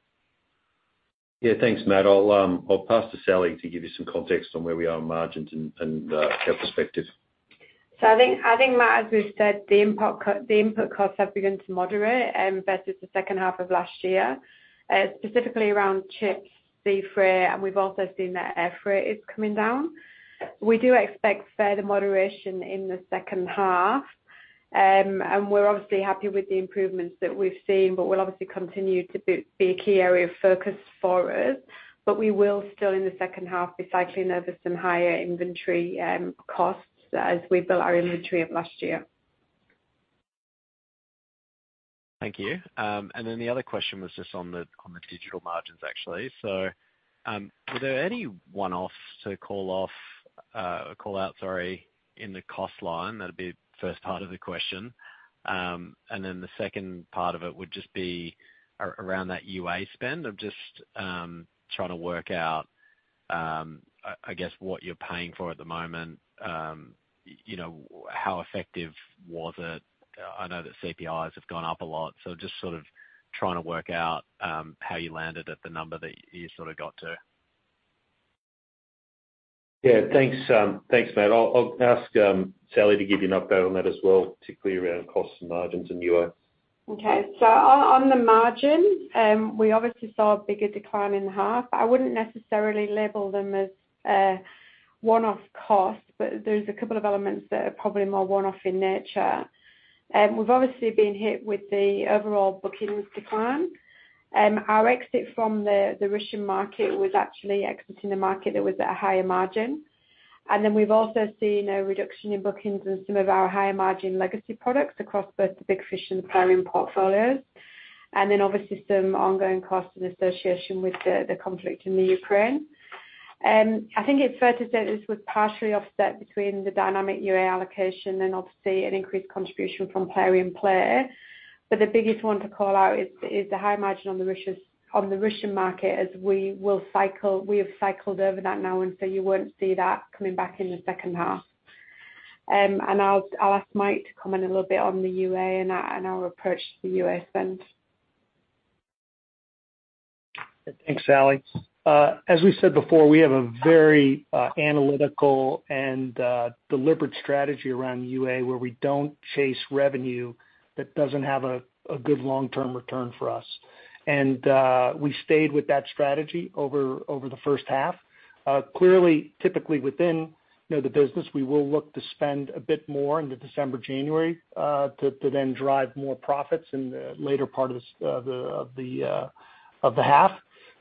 Yeah. Thanks, Matt. I'll pass to Sally to give you some context on where we are on margins and our perspective. I think, Matt Ryan, as we've said, the input costs have begun to moderate versus the second half of last year, specifically around chips, sea freight, and we've also seen that air freight is coming down. We do expect further moderation in the second half. We're obviously happy with the improvements that we've seen, but we'll obviously continue to be a key area of focus for us. We will still in the second half be cycling over some higher inventory costs as we build our inventory of last year. Thank you. The other question was just on the digital margins, actually. Were there any one-offs to call out, sorry, in the cost line? That'd be first part of the question. The second part of it would just be around that UA spend. I'm just trying to work out, I guess what you're paying for at the moment. You know, how effective was it? I know that CPIs have gone up a lot, just sort of trying to work out how you landed at the number that you sort of got to. Yeah, thanks. Thanks, Matt. I'll ask Sally to give you an update on that as well, particularly around costs and margins and UA. On the margin, we obviously saw a bigger decline in the half. I wouldn't necessarily label them as a one-off cost, but there's a couple of elements that are probably more one-off in nature. We've obviously been hit with the overall bookings decline. Our exit from the Russian market was actually exiting the market that was at a higher margin. We've also seen a reduction in bookings in some of our higher margin legacy products across both the Big Fish and Plarium portfolios. Obviously, some ongoing costs in association with the conflict in the Ukraine. I think it's fair to say this was partially offset between the dynamic UA allocation and obviously an increased contribution from Plarium Play. The biggest one to call out is the high margin on the Russian market as we have cycled over that now, and so you won't see that coming back in the second half. I'll ask Mike to comment a little bit on the UA and our approach to the UA spend. Thanks, Sally. As we said before, we have a very analytical and deliberate strategy around UA, where we don't chase revenue that doesn't have a good long-term return for us. We stayed with that strategy over the first half. Clearly, typically within, you know, the business, we will look to spend a bit more into December, January, to then drive more profits in the later part of the half.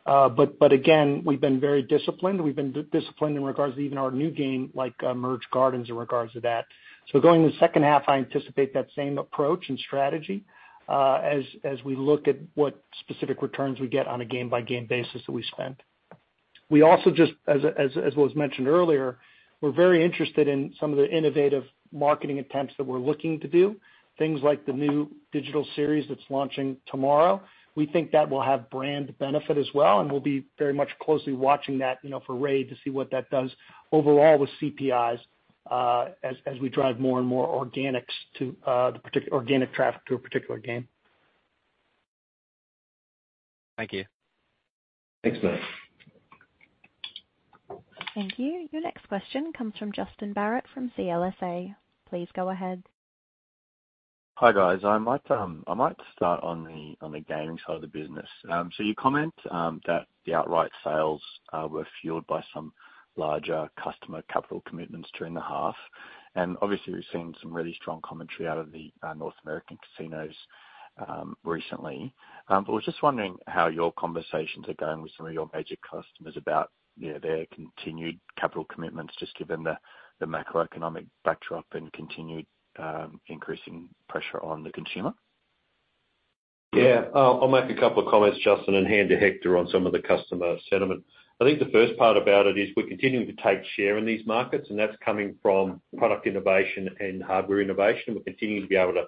But again, we've been very disciplined. We've been disciplined in regards to even our new game, like Merge Gardens in regards to that. Going into the second half, I anticipate that same approach and strategy, as we look at what specific returns we get on a game-by-game basis that we spend. We also just as was mentioned earlier, we're very interested in some of the innovative marketing attempts that we're looking to do. Things like the new digital series that's launching tomorrow. We think that will have brand benefit as well, and we'll be very much closely watching that, you know, for RAID to see what that does overall with CPIs as we drive more and more organics to organic traffic to a particular game. Thank you. Thanks, Matt. Thank you. Your next question comes from Justin Barratt from CLSA. Please go ahead. Hi, guys. I might start on the gaming side of the business. You comment that the outright sales were fueled by some larger customer capital commitments during the half. Obviously, we've seen some really strong commentary out of the North American casinos recently. Was just wondering how your conversations are going with some of your major customers about, you know, their continued capital commitments, just given the macroeconomic backdrop and continued increasing pressure on the consumer. Yeah. I'll make a couple of comments, Justin, and hand to Hector on some of the customer sentiment. I think the first part about it is we're continuing to take share in these markets, and that's coming from product innovation and hardware innovation. We're continuing to be able to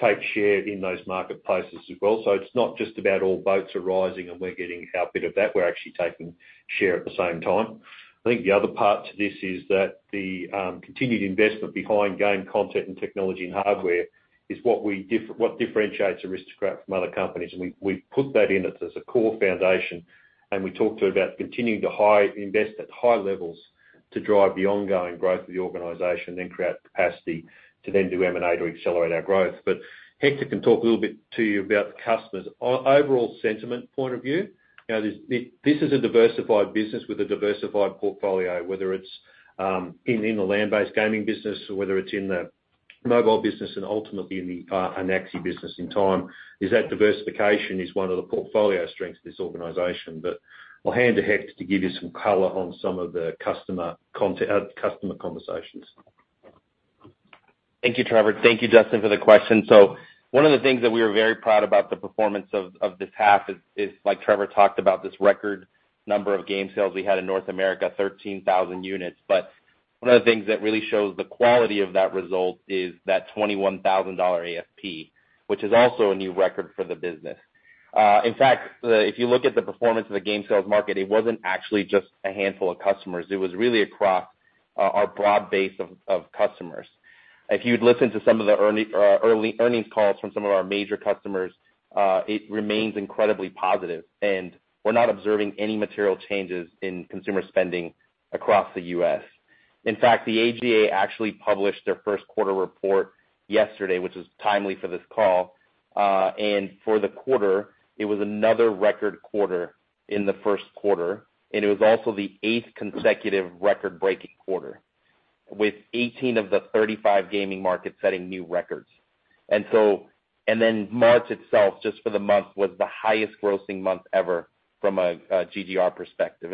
take share in those marketplaces as well. It's not just about all boats are rising and we're getting our bit of that. We're actually taking share at the same time. I think the other part to this is that the continued investment behind game content and technology and hardware is what differentiates Aristocrat from other companies. We put that in as a core foundation, and we talk to about continuing to invest at high levels to drive the ongoing growth of the organization, then create capacity to then do M&A to accelerate our growth. Hector can talk a little bit to you about the customers. Overall sentiment point of view, you know, this is a diversified business with a diversified portfolio, whether it's in the land-based gaming business or whether it's in the mobile business and ultimately in the Anaxi business in time, is that diversification is one of the portfolio strengths of this organization. I'll hand to Hector to give you some color on some of the customer conversations. Thank you, Trevor. Thank you, Justin, for the question. One of the things that we are very proud about the performance of this half is like Trevor talked about, this record number of game sales we had in North America, 13,000 units. One of the things that really shows the quality of that result is that $21,000 ASP, which is also a new record for the business. In fact, if you look at the performance of the game sales market, it wasn't actually just a handful of customers. It was really across our broad base of customers. If you'd listen to some of the early earnings calls from some of our major customers, it remains incredibly positive, and we're not observing any material changes in consumer spending across the U.S. In fact, the AGA actually published their first quarter report yesterday, which is timely for this call. For the quarter, it was another record quarter in the first quarter, and it was also the eighth consecutive record-breaking quarter, with 18 gaming markets of the 35 gaming markets setting new records. March itself, just for the month, was the highest grossing month ever from a GGR perspective.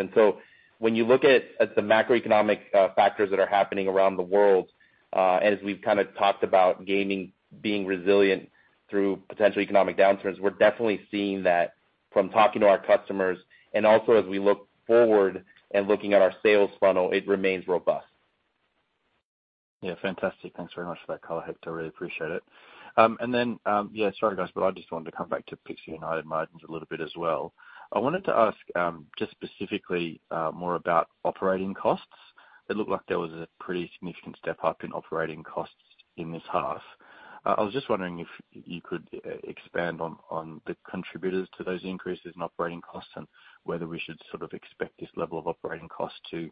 When you look at the macroeconomic factors that are happening around the world, and as we've kinda talked about gaming being resilient through potential economic downturns, we're definitely seeing that from talking to our customers and also as we look forward and looking at our sales funnel, it remains robust. Yeah, fantastic. Thanks very much for that color, Hector. I really appreciate it. Yeah, sorry, guys, but I just wanted to come back to Pixel United margins a little bit as well. I wanted to ask just specifically more about operating costs. It looked like there was a pretty significant step-up in operating costs in this half. I was just wondering if you could expand on the contributors to those increases in operating costs and whether we should sort of expect this level of operating costs to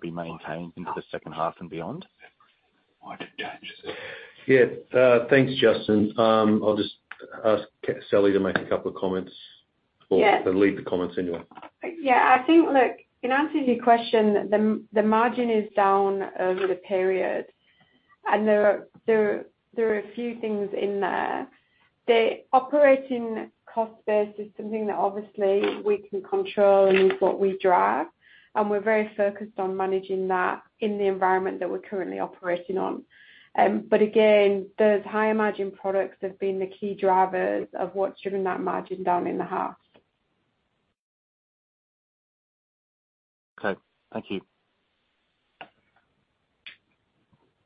be maintained into the second half and beyond? Thanks, Justin. I'll just ask Sally to make a couple of comments. Yeah. Lead the comments anyway. Yeah. I think, look, in answer to your question, the margin is down over the period. There are a few things in there. The operating cost base is something that obviously we can control and is what we drive, and we're very focused on managing that in the environment that we're currently operating on. Again, those higher margin products have been the key drivers of what's driven that margin down in the half. Okay. Thank you.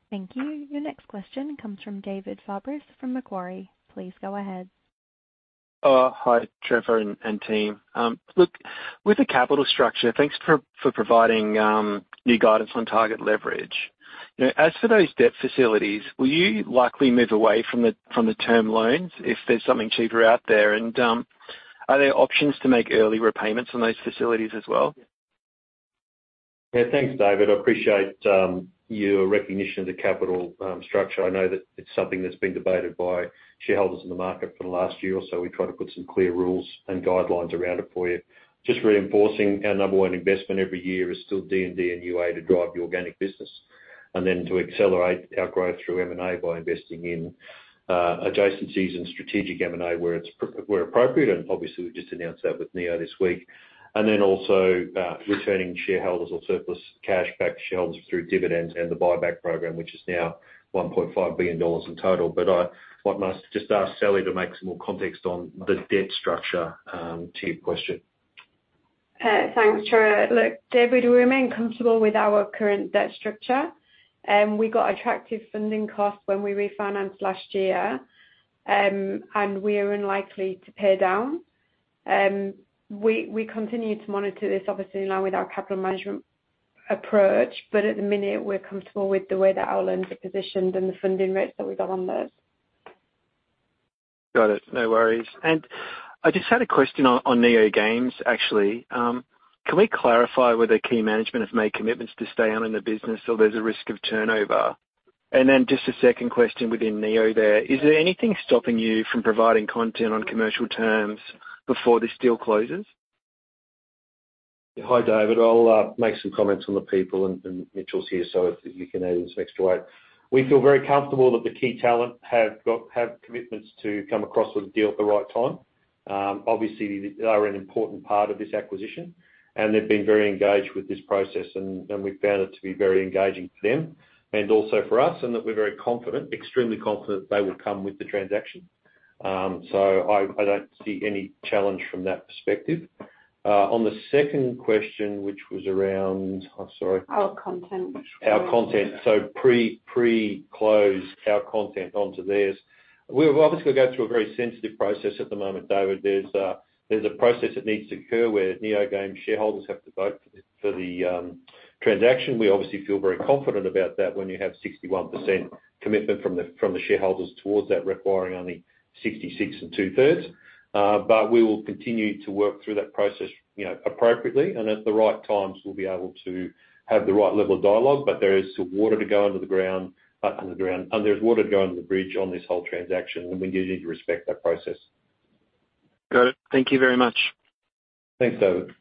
Thank you. Your next question comes from David Fabris from Macquarie. Please go ahead. Hi, Trevor and team. Look, with the capital structure, thanks for providing new guidance on target leverage. You know, as for those debt facilities, will you likely move away from the term loans if there's something cheaper out there? Are there options to make early repayments on those facilities as well? Yeah. Thanks, David. I appreciate your recognition of the capital structure. I know that it's something that's been debated by shareholders in the market for the last year or so. We tried to put some clear rules and guidelines around it for you. Just reinforcing our number one investment every year is still D&D and UA to drive the organic business, and then to accelerate our growth through M&A by investing in adjacencies and strategic M&A where appropriate, and obviously we've just announced that with Neo this week. Also, returning shareholders or surplus cash back to shareholders through dividends and the buyback program, which is now 1.5 billion dollars in total. What I must just ask Sally to make some more context on the debt structure to your question. Thanks, Trevor. Look, David, we remain comfortable with our current debt structure. We got attractive funding costs when we refinanced last year. We are unlikely to pay down. We continue to monitor this obviously in line with our capital management approach. At the minute we're comfortable with the way that our loans are positioned and the funding rates that we got on those. Got it. No worries. I just had a question on NeoGames, actually. Can we clarify whether key management have made commitments to stay on in the business or there's a risk of turnover? Just a second question within Neo there. Is there anything stopping you from providing content on commercial terms before this deal closes? Hi, David. I'll make some comments on the people and Mitchell's here, you can add in some extra weight. We feel very comfortable that the key talent have commitments to come across with the deal at the right time. Obviously they are an important part of this acquisition, they've been very engaged with this process and we found it to be very engaging for them and also for us, that we're very confident, extremely confident they will come with the transaction. I don't see any challenge from that perspective. On the second question, I'm sorry. Our content. Our content. Pre-close our content onto theirs. We're obviously gonna go through a very sensitive process at the moment, David. There's a process that needs to occur where NeoGames shareholders have to vote for the transaction. We obviously feel very confident about that when you have 61% commitment from the shareholders towards that requiring only 66% and 2/3. We will continue to work through that process, you know, appropriately, and at the right times we'll be able to have the right level of dialogue. There is still water to go under the ground. There's water to go under the bridge on this whole transaction, and we need you to respect that process. Got it. Thank you very much. Thanks, David.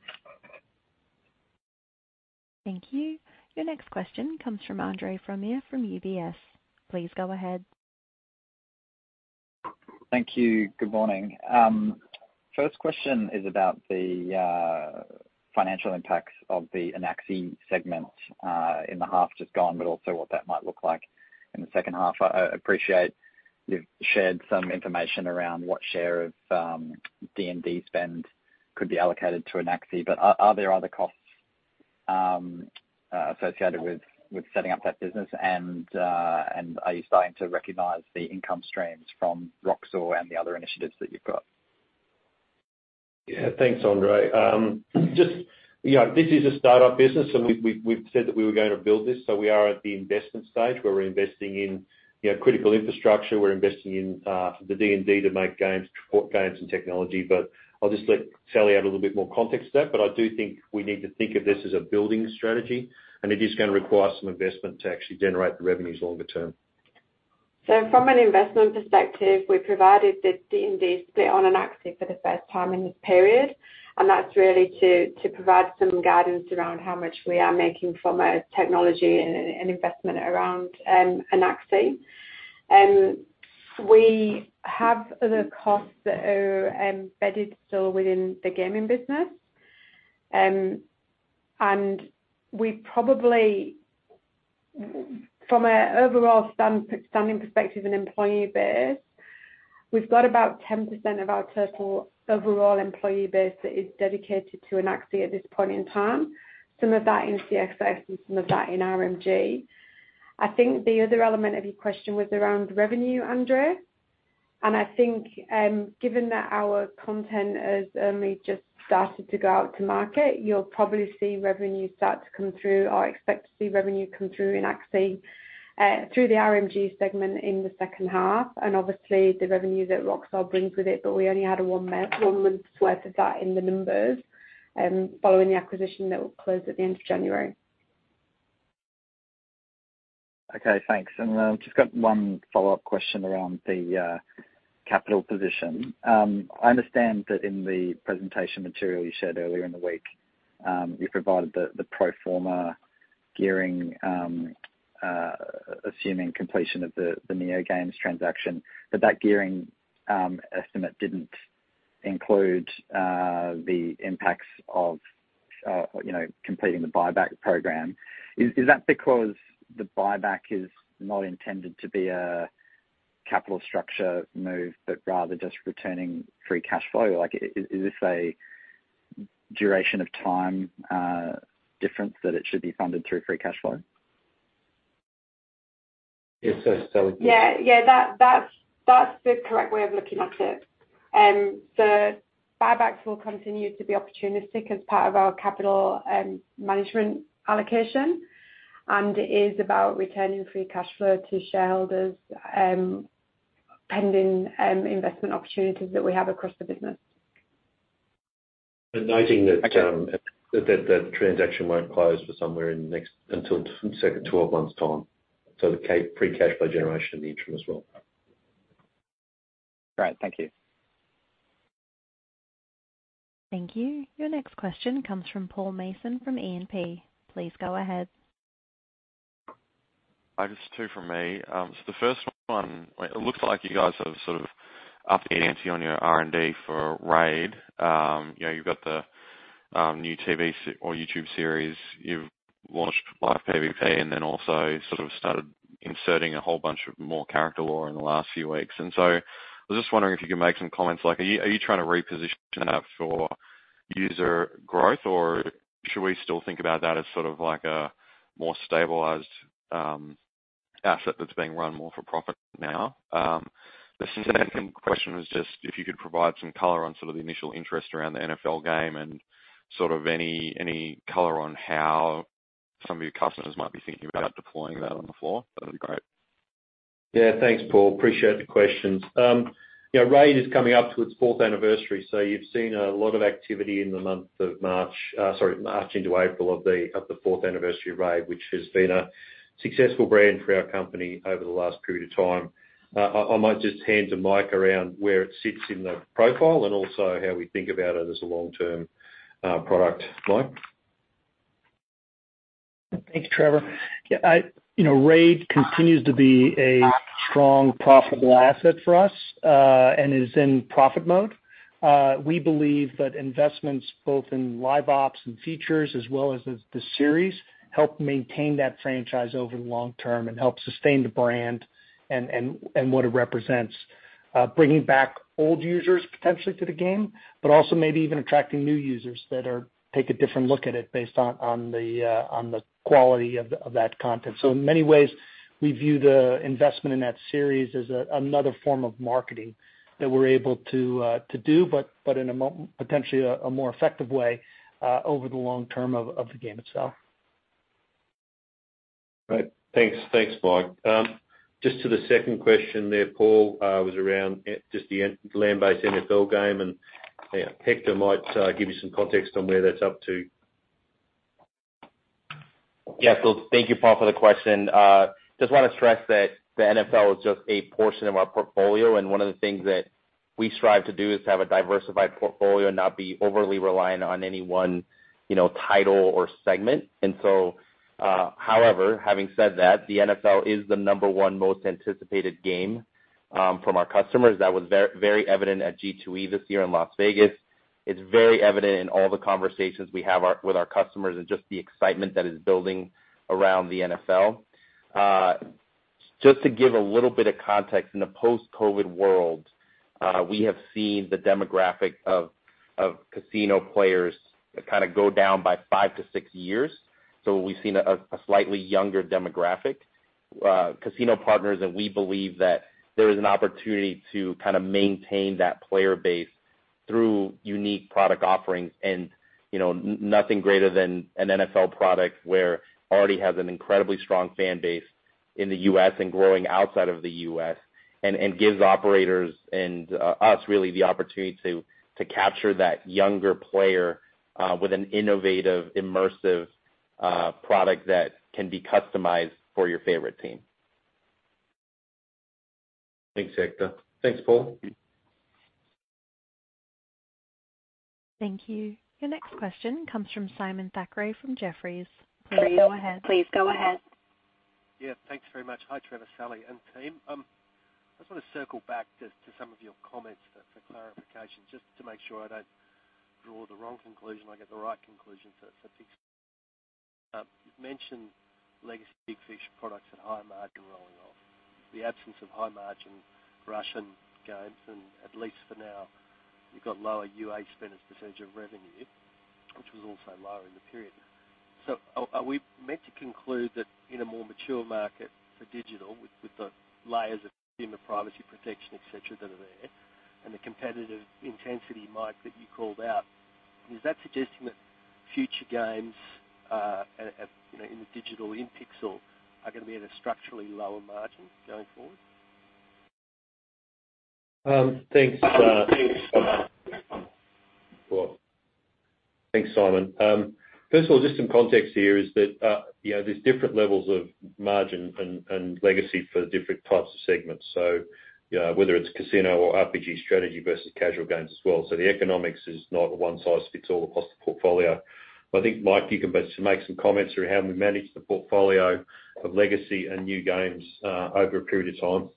Thank you. Your next question comes from Andre Fromyhr from UBS. Please go ahead. Thank you. Good morning. First question is about the financial impacts of the Anaxi segment in the half just gone, but also what that might look like in the second half. I appreciate you've shared some information around what share of D&D spend could be allocated to Anaxi, but are there other costs associated with setting up that business? Are you starting to recognize the income streams from Roxor and the other initiatives that you've got? Yeah. Thanks, Andre. Just, you know, this is a startup business and we've said that we were gonna build this. We are at the investment stage where we're investing in, you know, critical infrastructure. We're investing in the D&D to make games, support games and technology. I'll just let Sally add a little bit more context to that. I do think we need to think of this as a building strategy, and it is gonna require some investment to actually generate the revenues longer term. From an investment perspective, we provided the D&D split on Anaxi for the first time in this period, and that's really to provide some guidance around how much we are making from a technology and investment around Anaxi. We have other costs that are embedded still within the gaming business. We probably, from an overall stand-standing perspective and employee base, we've got about 10% of our total overall employee base that is dedicated to Anaxi at this point in time. Some of that in CXS and some of that in RMG. I think the other element of your question was around revenue, Andre. I think, given that our content has only just started to go out to market, you'll probably see revenue start to come through or expect to see revenue come through in Anaxi, through the RMG segment in the second half, and obviously the revenues that Roxor brings with it, but we only had a one month's worth of that in the numbers, following the acquisition that will close at the end of January. Thanks. Just got one follow-up question around the capital position. I understand that in the presentation material you shared earlier in the week, you provided the pro forma gearing assuming completion of the NeoGames transaction, but that gearing estimate didn't include the impacts of, you know, completing the buyback program. Is that because the buyback is not intended to be a capital structure move, but rather just returning free cash flow? Like, is this a duration of time difference that it should be funded through free cash flow? Yes. Yeah, yeah. That's the correct way of looking at it. The buybacks will continue to be opportunistic as part of our capital management allocation. It is about returning free cash flow to shareholders, pending investment opportunities that we have across the business. noting that. Okay... that transaction won't close until 12 months' time. The free cash flow generation in the interim as well. Great. Thank you. Thank you. Your next question comes from Paul Mason from E&P. Please go ahead. I guess two from me. The first one, it looks like you guys are sort of upping the ante on your R&D for Raid. You know, you've got the new TV or YouTube series. You've launched live PVP, also sort of started inserting a whole bunch of more character lore in the last few weeks. I was just wondering if you could make some comments like, are you trying to reposition that for user growth, or should we still think about that as sort of like a more stabilized asset that's being run more for profit now? The second question was just if you could provide some color on sort of the initial interest around the NFL game and sort of any color on how some of your customers might be thinking about deploying that on the floor, that'd be great. Thanks, Paul. Appreciate the questions. you know, Raid is coming up to its fourth anniversary. You've seen a lot of activity in the month of March, sorry, March into April of the fourth anniversary of Raid, which has been a successful brand for our company over the last period of time. I might just hand to Mike around where it sits in the profile and also how we think about it as a long-term product. Mike? Thanks, Trevor. Yeah, you know, Raid continues to be a strong profitable asset for us, and is in profit mode. We believe that investments both in Live Ops and features as well as the series help maintain that franchise over the long term and help sustain the brand and what it represents, bringing back old users potentially to the game, but also maybe even attracting new users that are take a different look at it based on the quality of that content. In many ways, we view the investment in that series as another form of marketing that we're able to do, but potentially a more effective way over the long term of the game itself. Right. Thanks. Thanks, Mike. Just to the second question there, Paul, was around just the land-based NFL game, and Hector might give you some context on where that's up to. Yeah. Thank you, Paul, for the question. Just wanna stress that the NFL is just a portion of our portfolio, and one of the things that we strive to do is have a diversified portfolio and not be overly reliant on any one, you know, title or segment. However, having said that, the NFL is the number one most anticipated game from our customers. That was very evident at G2E this year in Las Vegas. It's very evident in all the conversations we have with our customers and just the excitement that is building around the NFL. Just to give a little bit of context, in the post-COVID world, we have seen the demographic of casino players kinda go down by 5 to 6 years. We've seen a slightly younger demographic, casino partners, and we believe that there is an opportunity to kinda maintain that player base through unique product offerings and, you know, nothing greater than an NFL product where already has an incredibly strong fan base in the U.S. and growing outside of the U.S. and gives operators and us really the opportunity to capture that younger player, with an innovative, immersive product that can be customized for your favorite team. Thanks, Hector. Thanks, Paul. Thank you. Your next question comes from Simon Thackray from Jefferies. Please go ahead. Yeah. Thanks very much. Hi, Trevor, Sally, and team. I just wanna circle back just to some of your comments for clarification, just to make sure I don't draw the wrong conclusion, I get the right conclusion for Big Fish. You've mentioned legacy Big Fish products at high margin rolling off, the absence of high margin Russian games, and at least for now, you've got lower UA spend as a % of revenue, which was also lower in the period. Are we meant to conclude that in a more mature market for digital with the layers of consumer privacy protection, et cetera, that are there and the competitive intensity, Mike, that you called out, is that suggesting that future games, at, you know, in the digital, in Pixel are going to be at a structurally lower margin going forward? Thanks, thanks. Well, thanks, Simon. First of all, just some context here is that, you know, there's different levels of margin and legacy for different types of segments. You know, whether it's casino or RPG strategy versus casual games as well. The economics is not a one-size-fits-all across the portfolio. I think, Mike, you can best make some comments for how we manage the portfolio of legacy and new games over a period of time.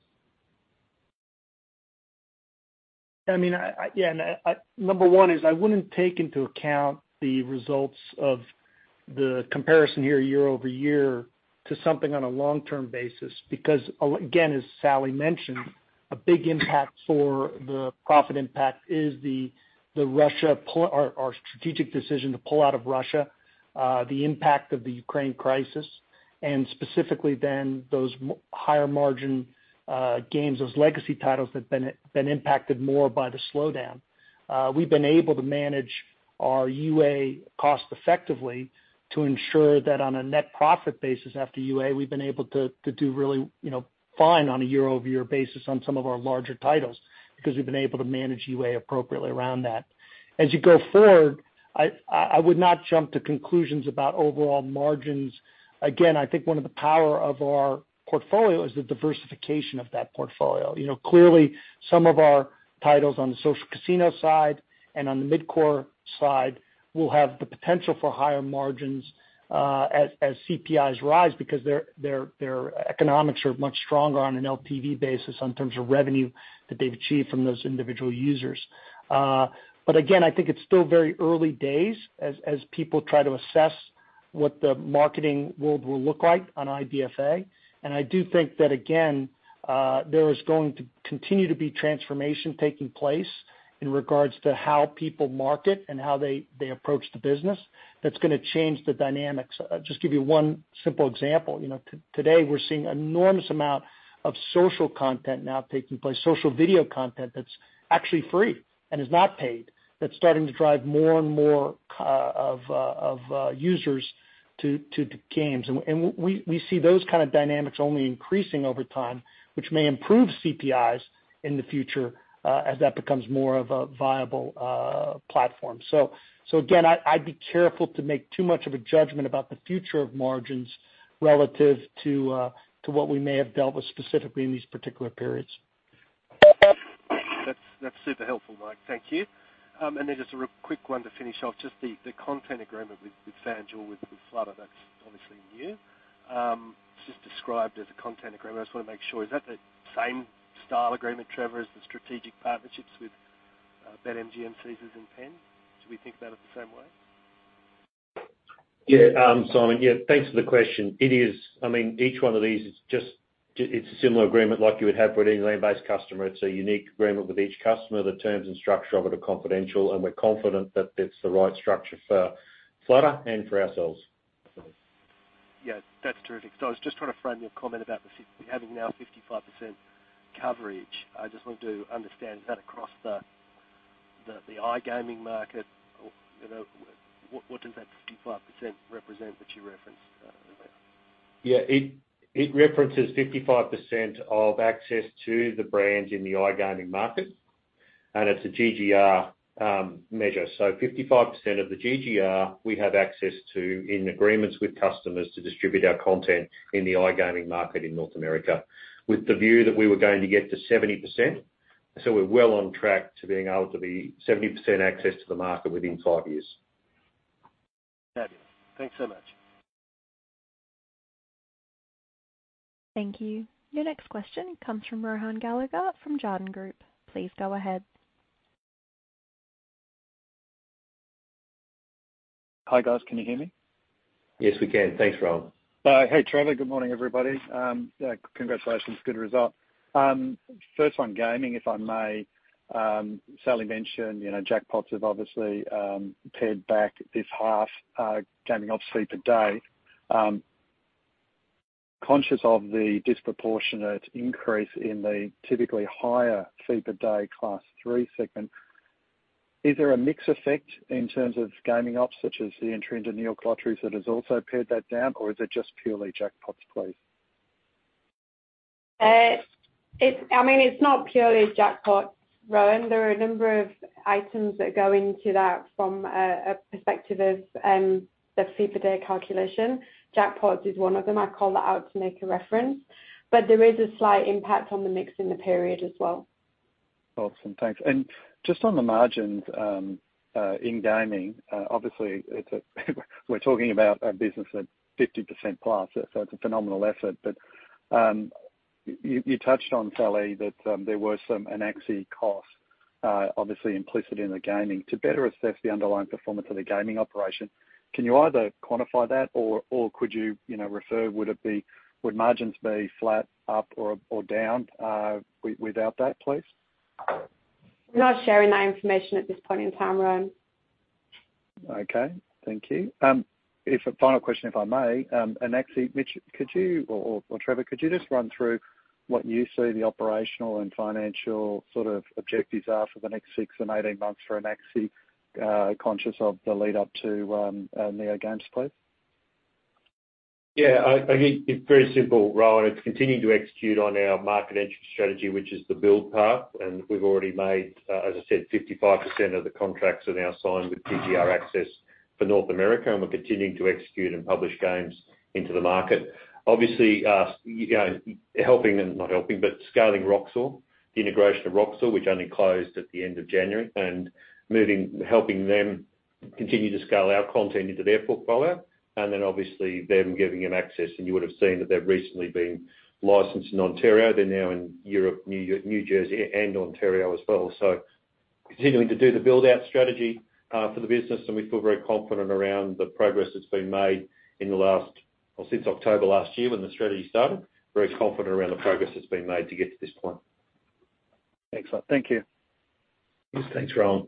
I mean, yeah, and I, number one is I wouldn't take into account the results of the comparison here year-over-year to something on a long-term basis. Again, as Sally mentioned, a big impact for the profit impact is the Russia pull or our strategic decision to pull out of Russia, the impact of the Ukraine crisis. Specifically then those higher margin games, those legacy titles that have been impacted more by the slowdown. We've been able to manage our UA cost effectively to ensure that on a net profit basis after UA, we've been able to do really, you know, fine on a year-over-year basis on some of our larger titles, because we've been able to manage UA appropriately around that. As you go forward, I would not jump to conclusions about overall margins. Again, I think one of the power of our portfolio is the diversification of that portfolio. You know, clearly some of our titles on the social casino side and on the mid-core side will have the potential for higher margins, as CPIs rise because their economics are much stronger on an LTV basis in terms of revenue that they've achieved from those individual users. Again, I think it's still very early days as people try to assess what the marketing world will look like on IDFA. I do think that again, there is going to continue to be transformation taking place in regards to how people market and how they approach the business that's gonna change the dynamics. Just give you 1 simple example. You know, today we're seeing enormous amount of social content now taking place, social video content that's actually free and is not paid, that's starting to drive more and more users to games. We see those kind of dynamics only increasing over time, which may improve CPIs in the future as that becomes more of a viable platform. Again, I'd be careful to make too much of a judgment about the future of margins relative to what we may have dealt with specifically in these particular periods. That's, that's super helpful, Mike. Thank you. Just a quick one to finish off, just the content agreement with FanDuel, with Flutter, that's obviously new. It's just described as a content agreement. I just wanna make sure, is that the same style agreement, Trevor, as the strategic partnerships with BetMGM, Caesars and Penn? Do we think of that at the same way? Simon, thanks for the question. It is, I mean, each one of these is just it's a similar agreement like you would have with any land-based customer. It's a unique agreement with each customer. The terms and structure of it are confidential, and we're confident that it's the right structure for Flutter and for ourselves. Yeah, that's terrific. I was just trying to frame your comment about having now 55% coverage. I just wanted to understand, is that across the iGaming market? You know, what does that 55% represent that you referenced there? Yeah. It references 55% of access to the brands in the iGaming market, and it's a GGR measure. 55% of the GGR we have access to in agreements with customers to distribute our content in the iGaming market in North America, with the view that we were going to get to 70%. We're well on track to being able to be 70% access to the market within 5 years. Fabulous. Thanks so much. Thank you. Your next question comes from Rohan Gallagher from Jarden Group. Please go ahead. Hi, guys. Can you hear me? Yes, we can. Thanks, Rohan. Hey, Trevor. Good morning, everybody. Congratulations. Good result. First on gaming, if I may. Sally mentioned, you know, jackpots have obviously paired back this half, gaming op fee per day. Conscious of the disproportionate increase in the typically higher fee per day Class III segment, is there a mix effect in terms of gaming ops, such as the Intralot Neo lotteries that has also paired that down, or is it just purely jackpots, please? It's, I mean, it's not purely jackpots, Rohan. There are a number of items that go into that from a perspective of the fee per day calculation. jackpots is one of them. I called that out to make a reference. There is a slight impact on the mix in the period as well. Awesome. Thanks. Just on the margins, in gaming, obviously we're talking about a business that's 50%+, so it's a phenomenal effort. You touched on, Sally, that there were an AC cost, obviously implicit in the gaming. To better assess the underlying performance of the gaming operation, can you either quantify that or could you know, refer, would margins be flat, up or down without that, please? We're not sharing that information at this point in time, Rohan. Okay. Thank you. If a final question, if I may, actually, Mitch, could you or Trevor, could you just run through what you see the operational and financial sort of objectives are for the next 6 months and 18 months for Anaxi, conscious of the lead up to NeoGames, please? Yeah. I think it's very simple, Rohan. It's continuing to execute on our market entry strategy, which is the build path. We've already made, as I said, 55% of the contracts are now signed with TGR access for North America, and we're continuing to execute and publish games into the market. Obviously, us, you know, helping and not helping, but scaling Roxor, the integration of Roxor, which only closed at the end of January, helping them continue to scale our content into their portfolio, and then obviously them giving them access. You would have seen that they've recently been licensed in Ontario. They're now in Europe, New Jersey, and Ontario as well. Continuing to do the build-out strategy for the business. We feel very confident around the progress that's been made in the last... Well, since October last year when the strategy started. Very confident around the progress that's been made to get to this point. Excellent. Thank you. Thanks, Rohan.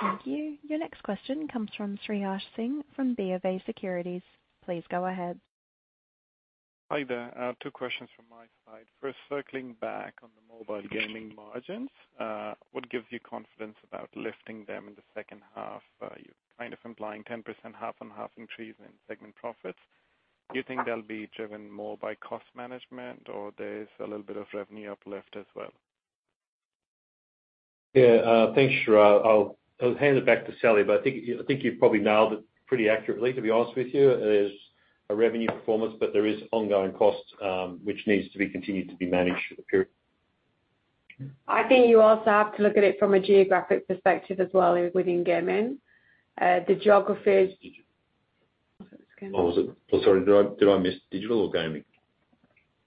Thank you. Your next question comes from Sriharsh Singh from BofA Securities. Please go ahead. Hi there. Two questions from my side. First, circling back on the mobile gaming margins, what gives you confidence about lifting them in the second half? You're kind of implying 10%, half-on-half increase in segment profits. Do you think they'll be driven more by cost management or there's a little bit of revenue uplift as well? Thanks, Srihash. I'll hand it back to Sally. I think you've probably nailed it pretty accurately, to be honest with you. It is a revenue performance. There is ongoing costs, which needs to be continued to be managed through the period. I think you also have to look at it from a geographic perspective as well within gaming. Oh, sorry, did I miss digital or gaming? Gaming.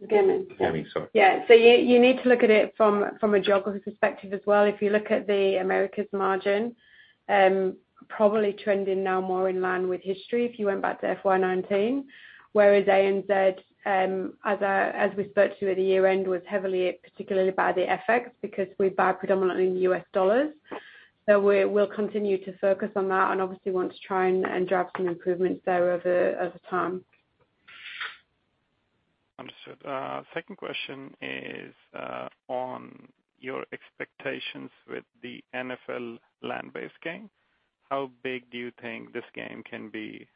Gaming. Sorry. You need to look at it from a geography perspective as well. If you look at the Americas margin, probably trending now more in line with history if you went back to FY 2019, whereas ANZ, as we spoke to at the year-end, was heavily, particularly by the FX, because we buy predominantly in US dollars. We'll continue to focus on that and obviously want to try and drive some improvements there over time. Understood. second question is, on your expectations with the NFL land-based game. How big do you think this game can be,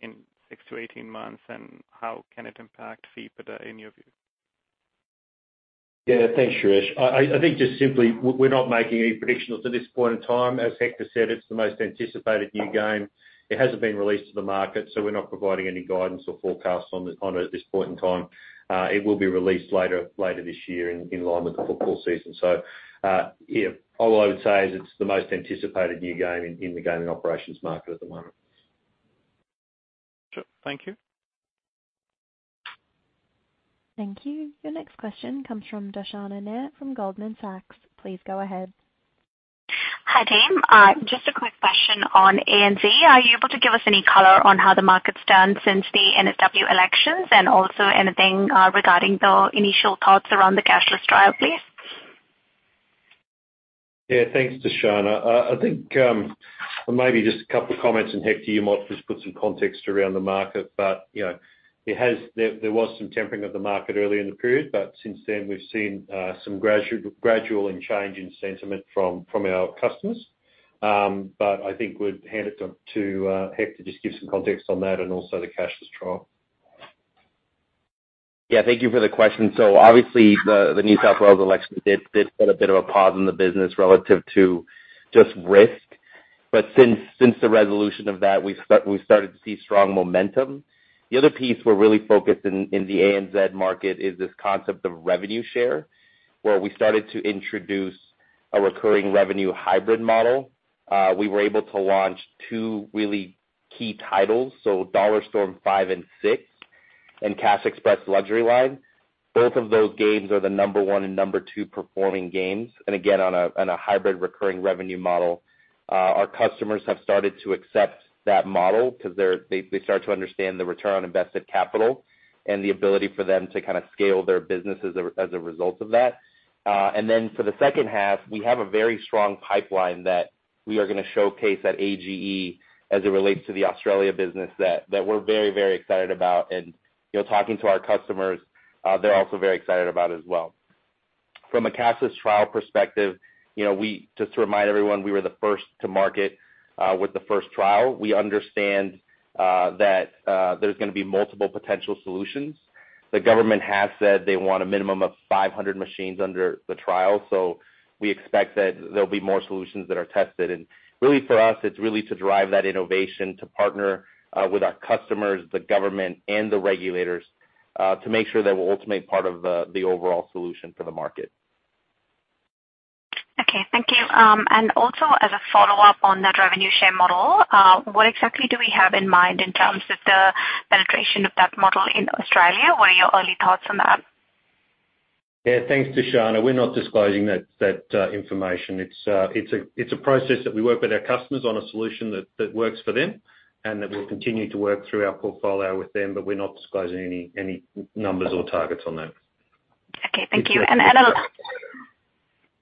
in 6 months-18 months, and how can it impact fee per day, in your view? Yeah. Thanks, Sriharsh. I think just simply, we're not making any predictions at this point in time. As Hector said, it's the most anticipated new game. It hasn't been released to the market, we're not providing any guidance or forecasts on it at this point in time. It will be released later this year in line with the football season. Yeah, all I would say is it's the most anticipated new game in the gaming operations market at the moment. Sure. Thank you. Thank you. Your next question comes from Darshana Nair from Goldman Sachs. Please go ahead. Hi, team. Just a quick question on ANZ. Are you able to give us any color on how the market's done since the NSW elections and also anything regarding the initial thoughts around the cashless trial, please? Yeah. Thanks, Darshana. I think maybe just a couple of comments, Hector, you might just put some context around the market. You know, there was some tempering of the market early in the period, since then we've seen some gradual in change in sentiment from our customers. I think we'd hand it to Hector, just give some context on that and also the cashless trial. Thank you for the question. Obviously the New South Wales election did put a bit of a pause in the business relative to just risk. But since the resolution of that, we've started to see strong momentum. The other piece we're really focused in the ANZ market is this concept of revenue share, where we started to introduce a recurring revenue hybrid model. We were able to launch two really key titles, so Dollar Storm 5 and 6, and Cash Express Luxury Line. Both of those games are the number one and number two performing games. Again, on a hybrid recurring revenue model, our customers have started to accept that model because they start to understand the return on invested capital and the ability for them to kind of scale their business as a result of that. For the second half, we have a very strong pipeline that we are gonna showcase at AGE as it relates to the Australia business that we're very, very excited about. You know, talking to our customers, they're also very excited about it as well. From a cashless trial perspective, you know, just to remind everyone, we were the first to market with the first trial. We understand that there's gonna be multiple potential solutions. The government has said they want a minimum of 500 machines under the trial. We expect that there'll be more solutions that are tested. Really for us, it's really to drive that innovation to partner with our customers, the government and the regulators to make sure that we're ultimately part of the overall solution for the market. Okay. Thank you. As a follow-up on the revenue share model, what exactly do we have in mind in terms of the penetration of that model in Australia? What are your early thoughts on that? Yeah. Thanks, Darshana. We're not disclosing that information. It's a process that we work with our customers on a solution that works for them and that we'll continue to work through our portfolio with them, but we're not disclosing any numbers or targets on that. Okay. Thank you.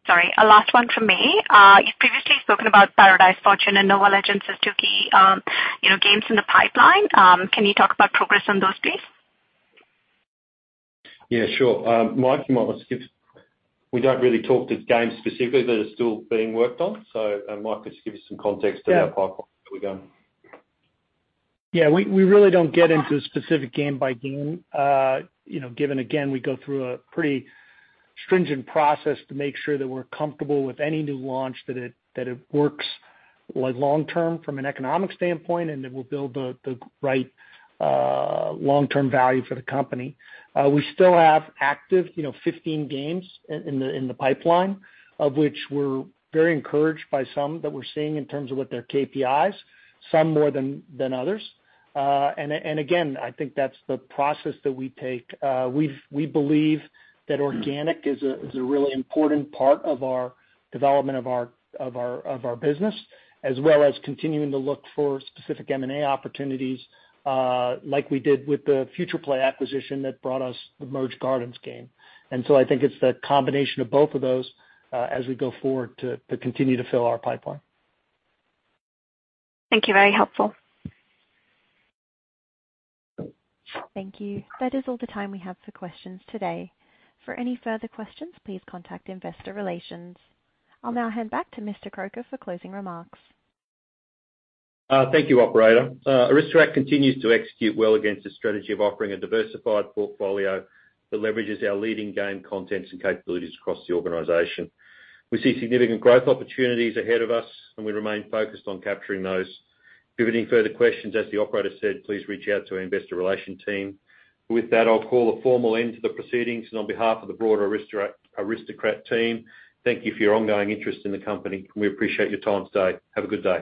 Sorry, a last one from me. You've previously spoken about Paradise Fortune and Nova Legends as two key, you know, games in the pipeline. Can you talk about progress on those, please? Yeah, sure. We don't really talk to games specifically that are still being worked on. Mike, just give us some context. Yeah to our pipeline, how we're doing. Yeah, we really don't get into specific game by game. You know, given again, we go through a pretty stringent process to make sure that it works, like, long-term from an economic standpoint, and it will build the right, long-term value for the company. We still have active, you know, 15 games in the pipeline, of which we're very encouraged by some that we're seeing in terms of with their KPIs, some more than others. Again, I think that's the process that we take. We believe that organic is a really important part of our development of our business, as well as continuing to look for specific M&A opportunities, like we did with the Futureplay acquisition that brought us the Merge Gardens game. I think it's the combination of both of those, as we go forward to continue to fill our pipeline. Thank you. Very helpful. Thank you. That is all the time we have for questions today. For any further questions, please contact investor relations. I'll now hand back to Mr. Croker for closing remarks. Thank you, operator. Aristocrat continues to execute well against the strategy of offering a diversified portfolio that leverages our leading game contents and capabilities across the organization. We see significant growth opportunities ahead of us, and we remain focused on capturing those. If you have any further questions, as the operator said, please reach out to our investor relation team. With that, I'll call a formal end to the proceedings. On behalf of the broader Aristocrat team, thank you for your ongoing interest in the company. We appreciate your time today. Have a good day.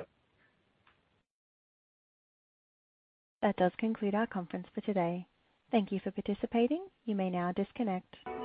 That does conclude our conference for today. Thank you for participating. You may now disconnect.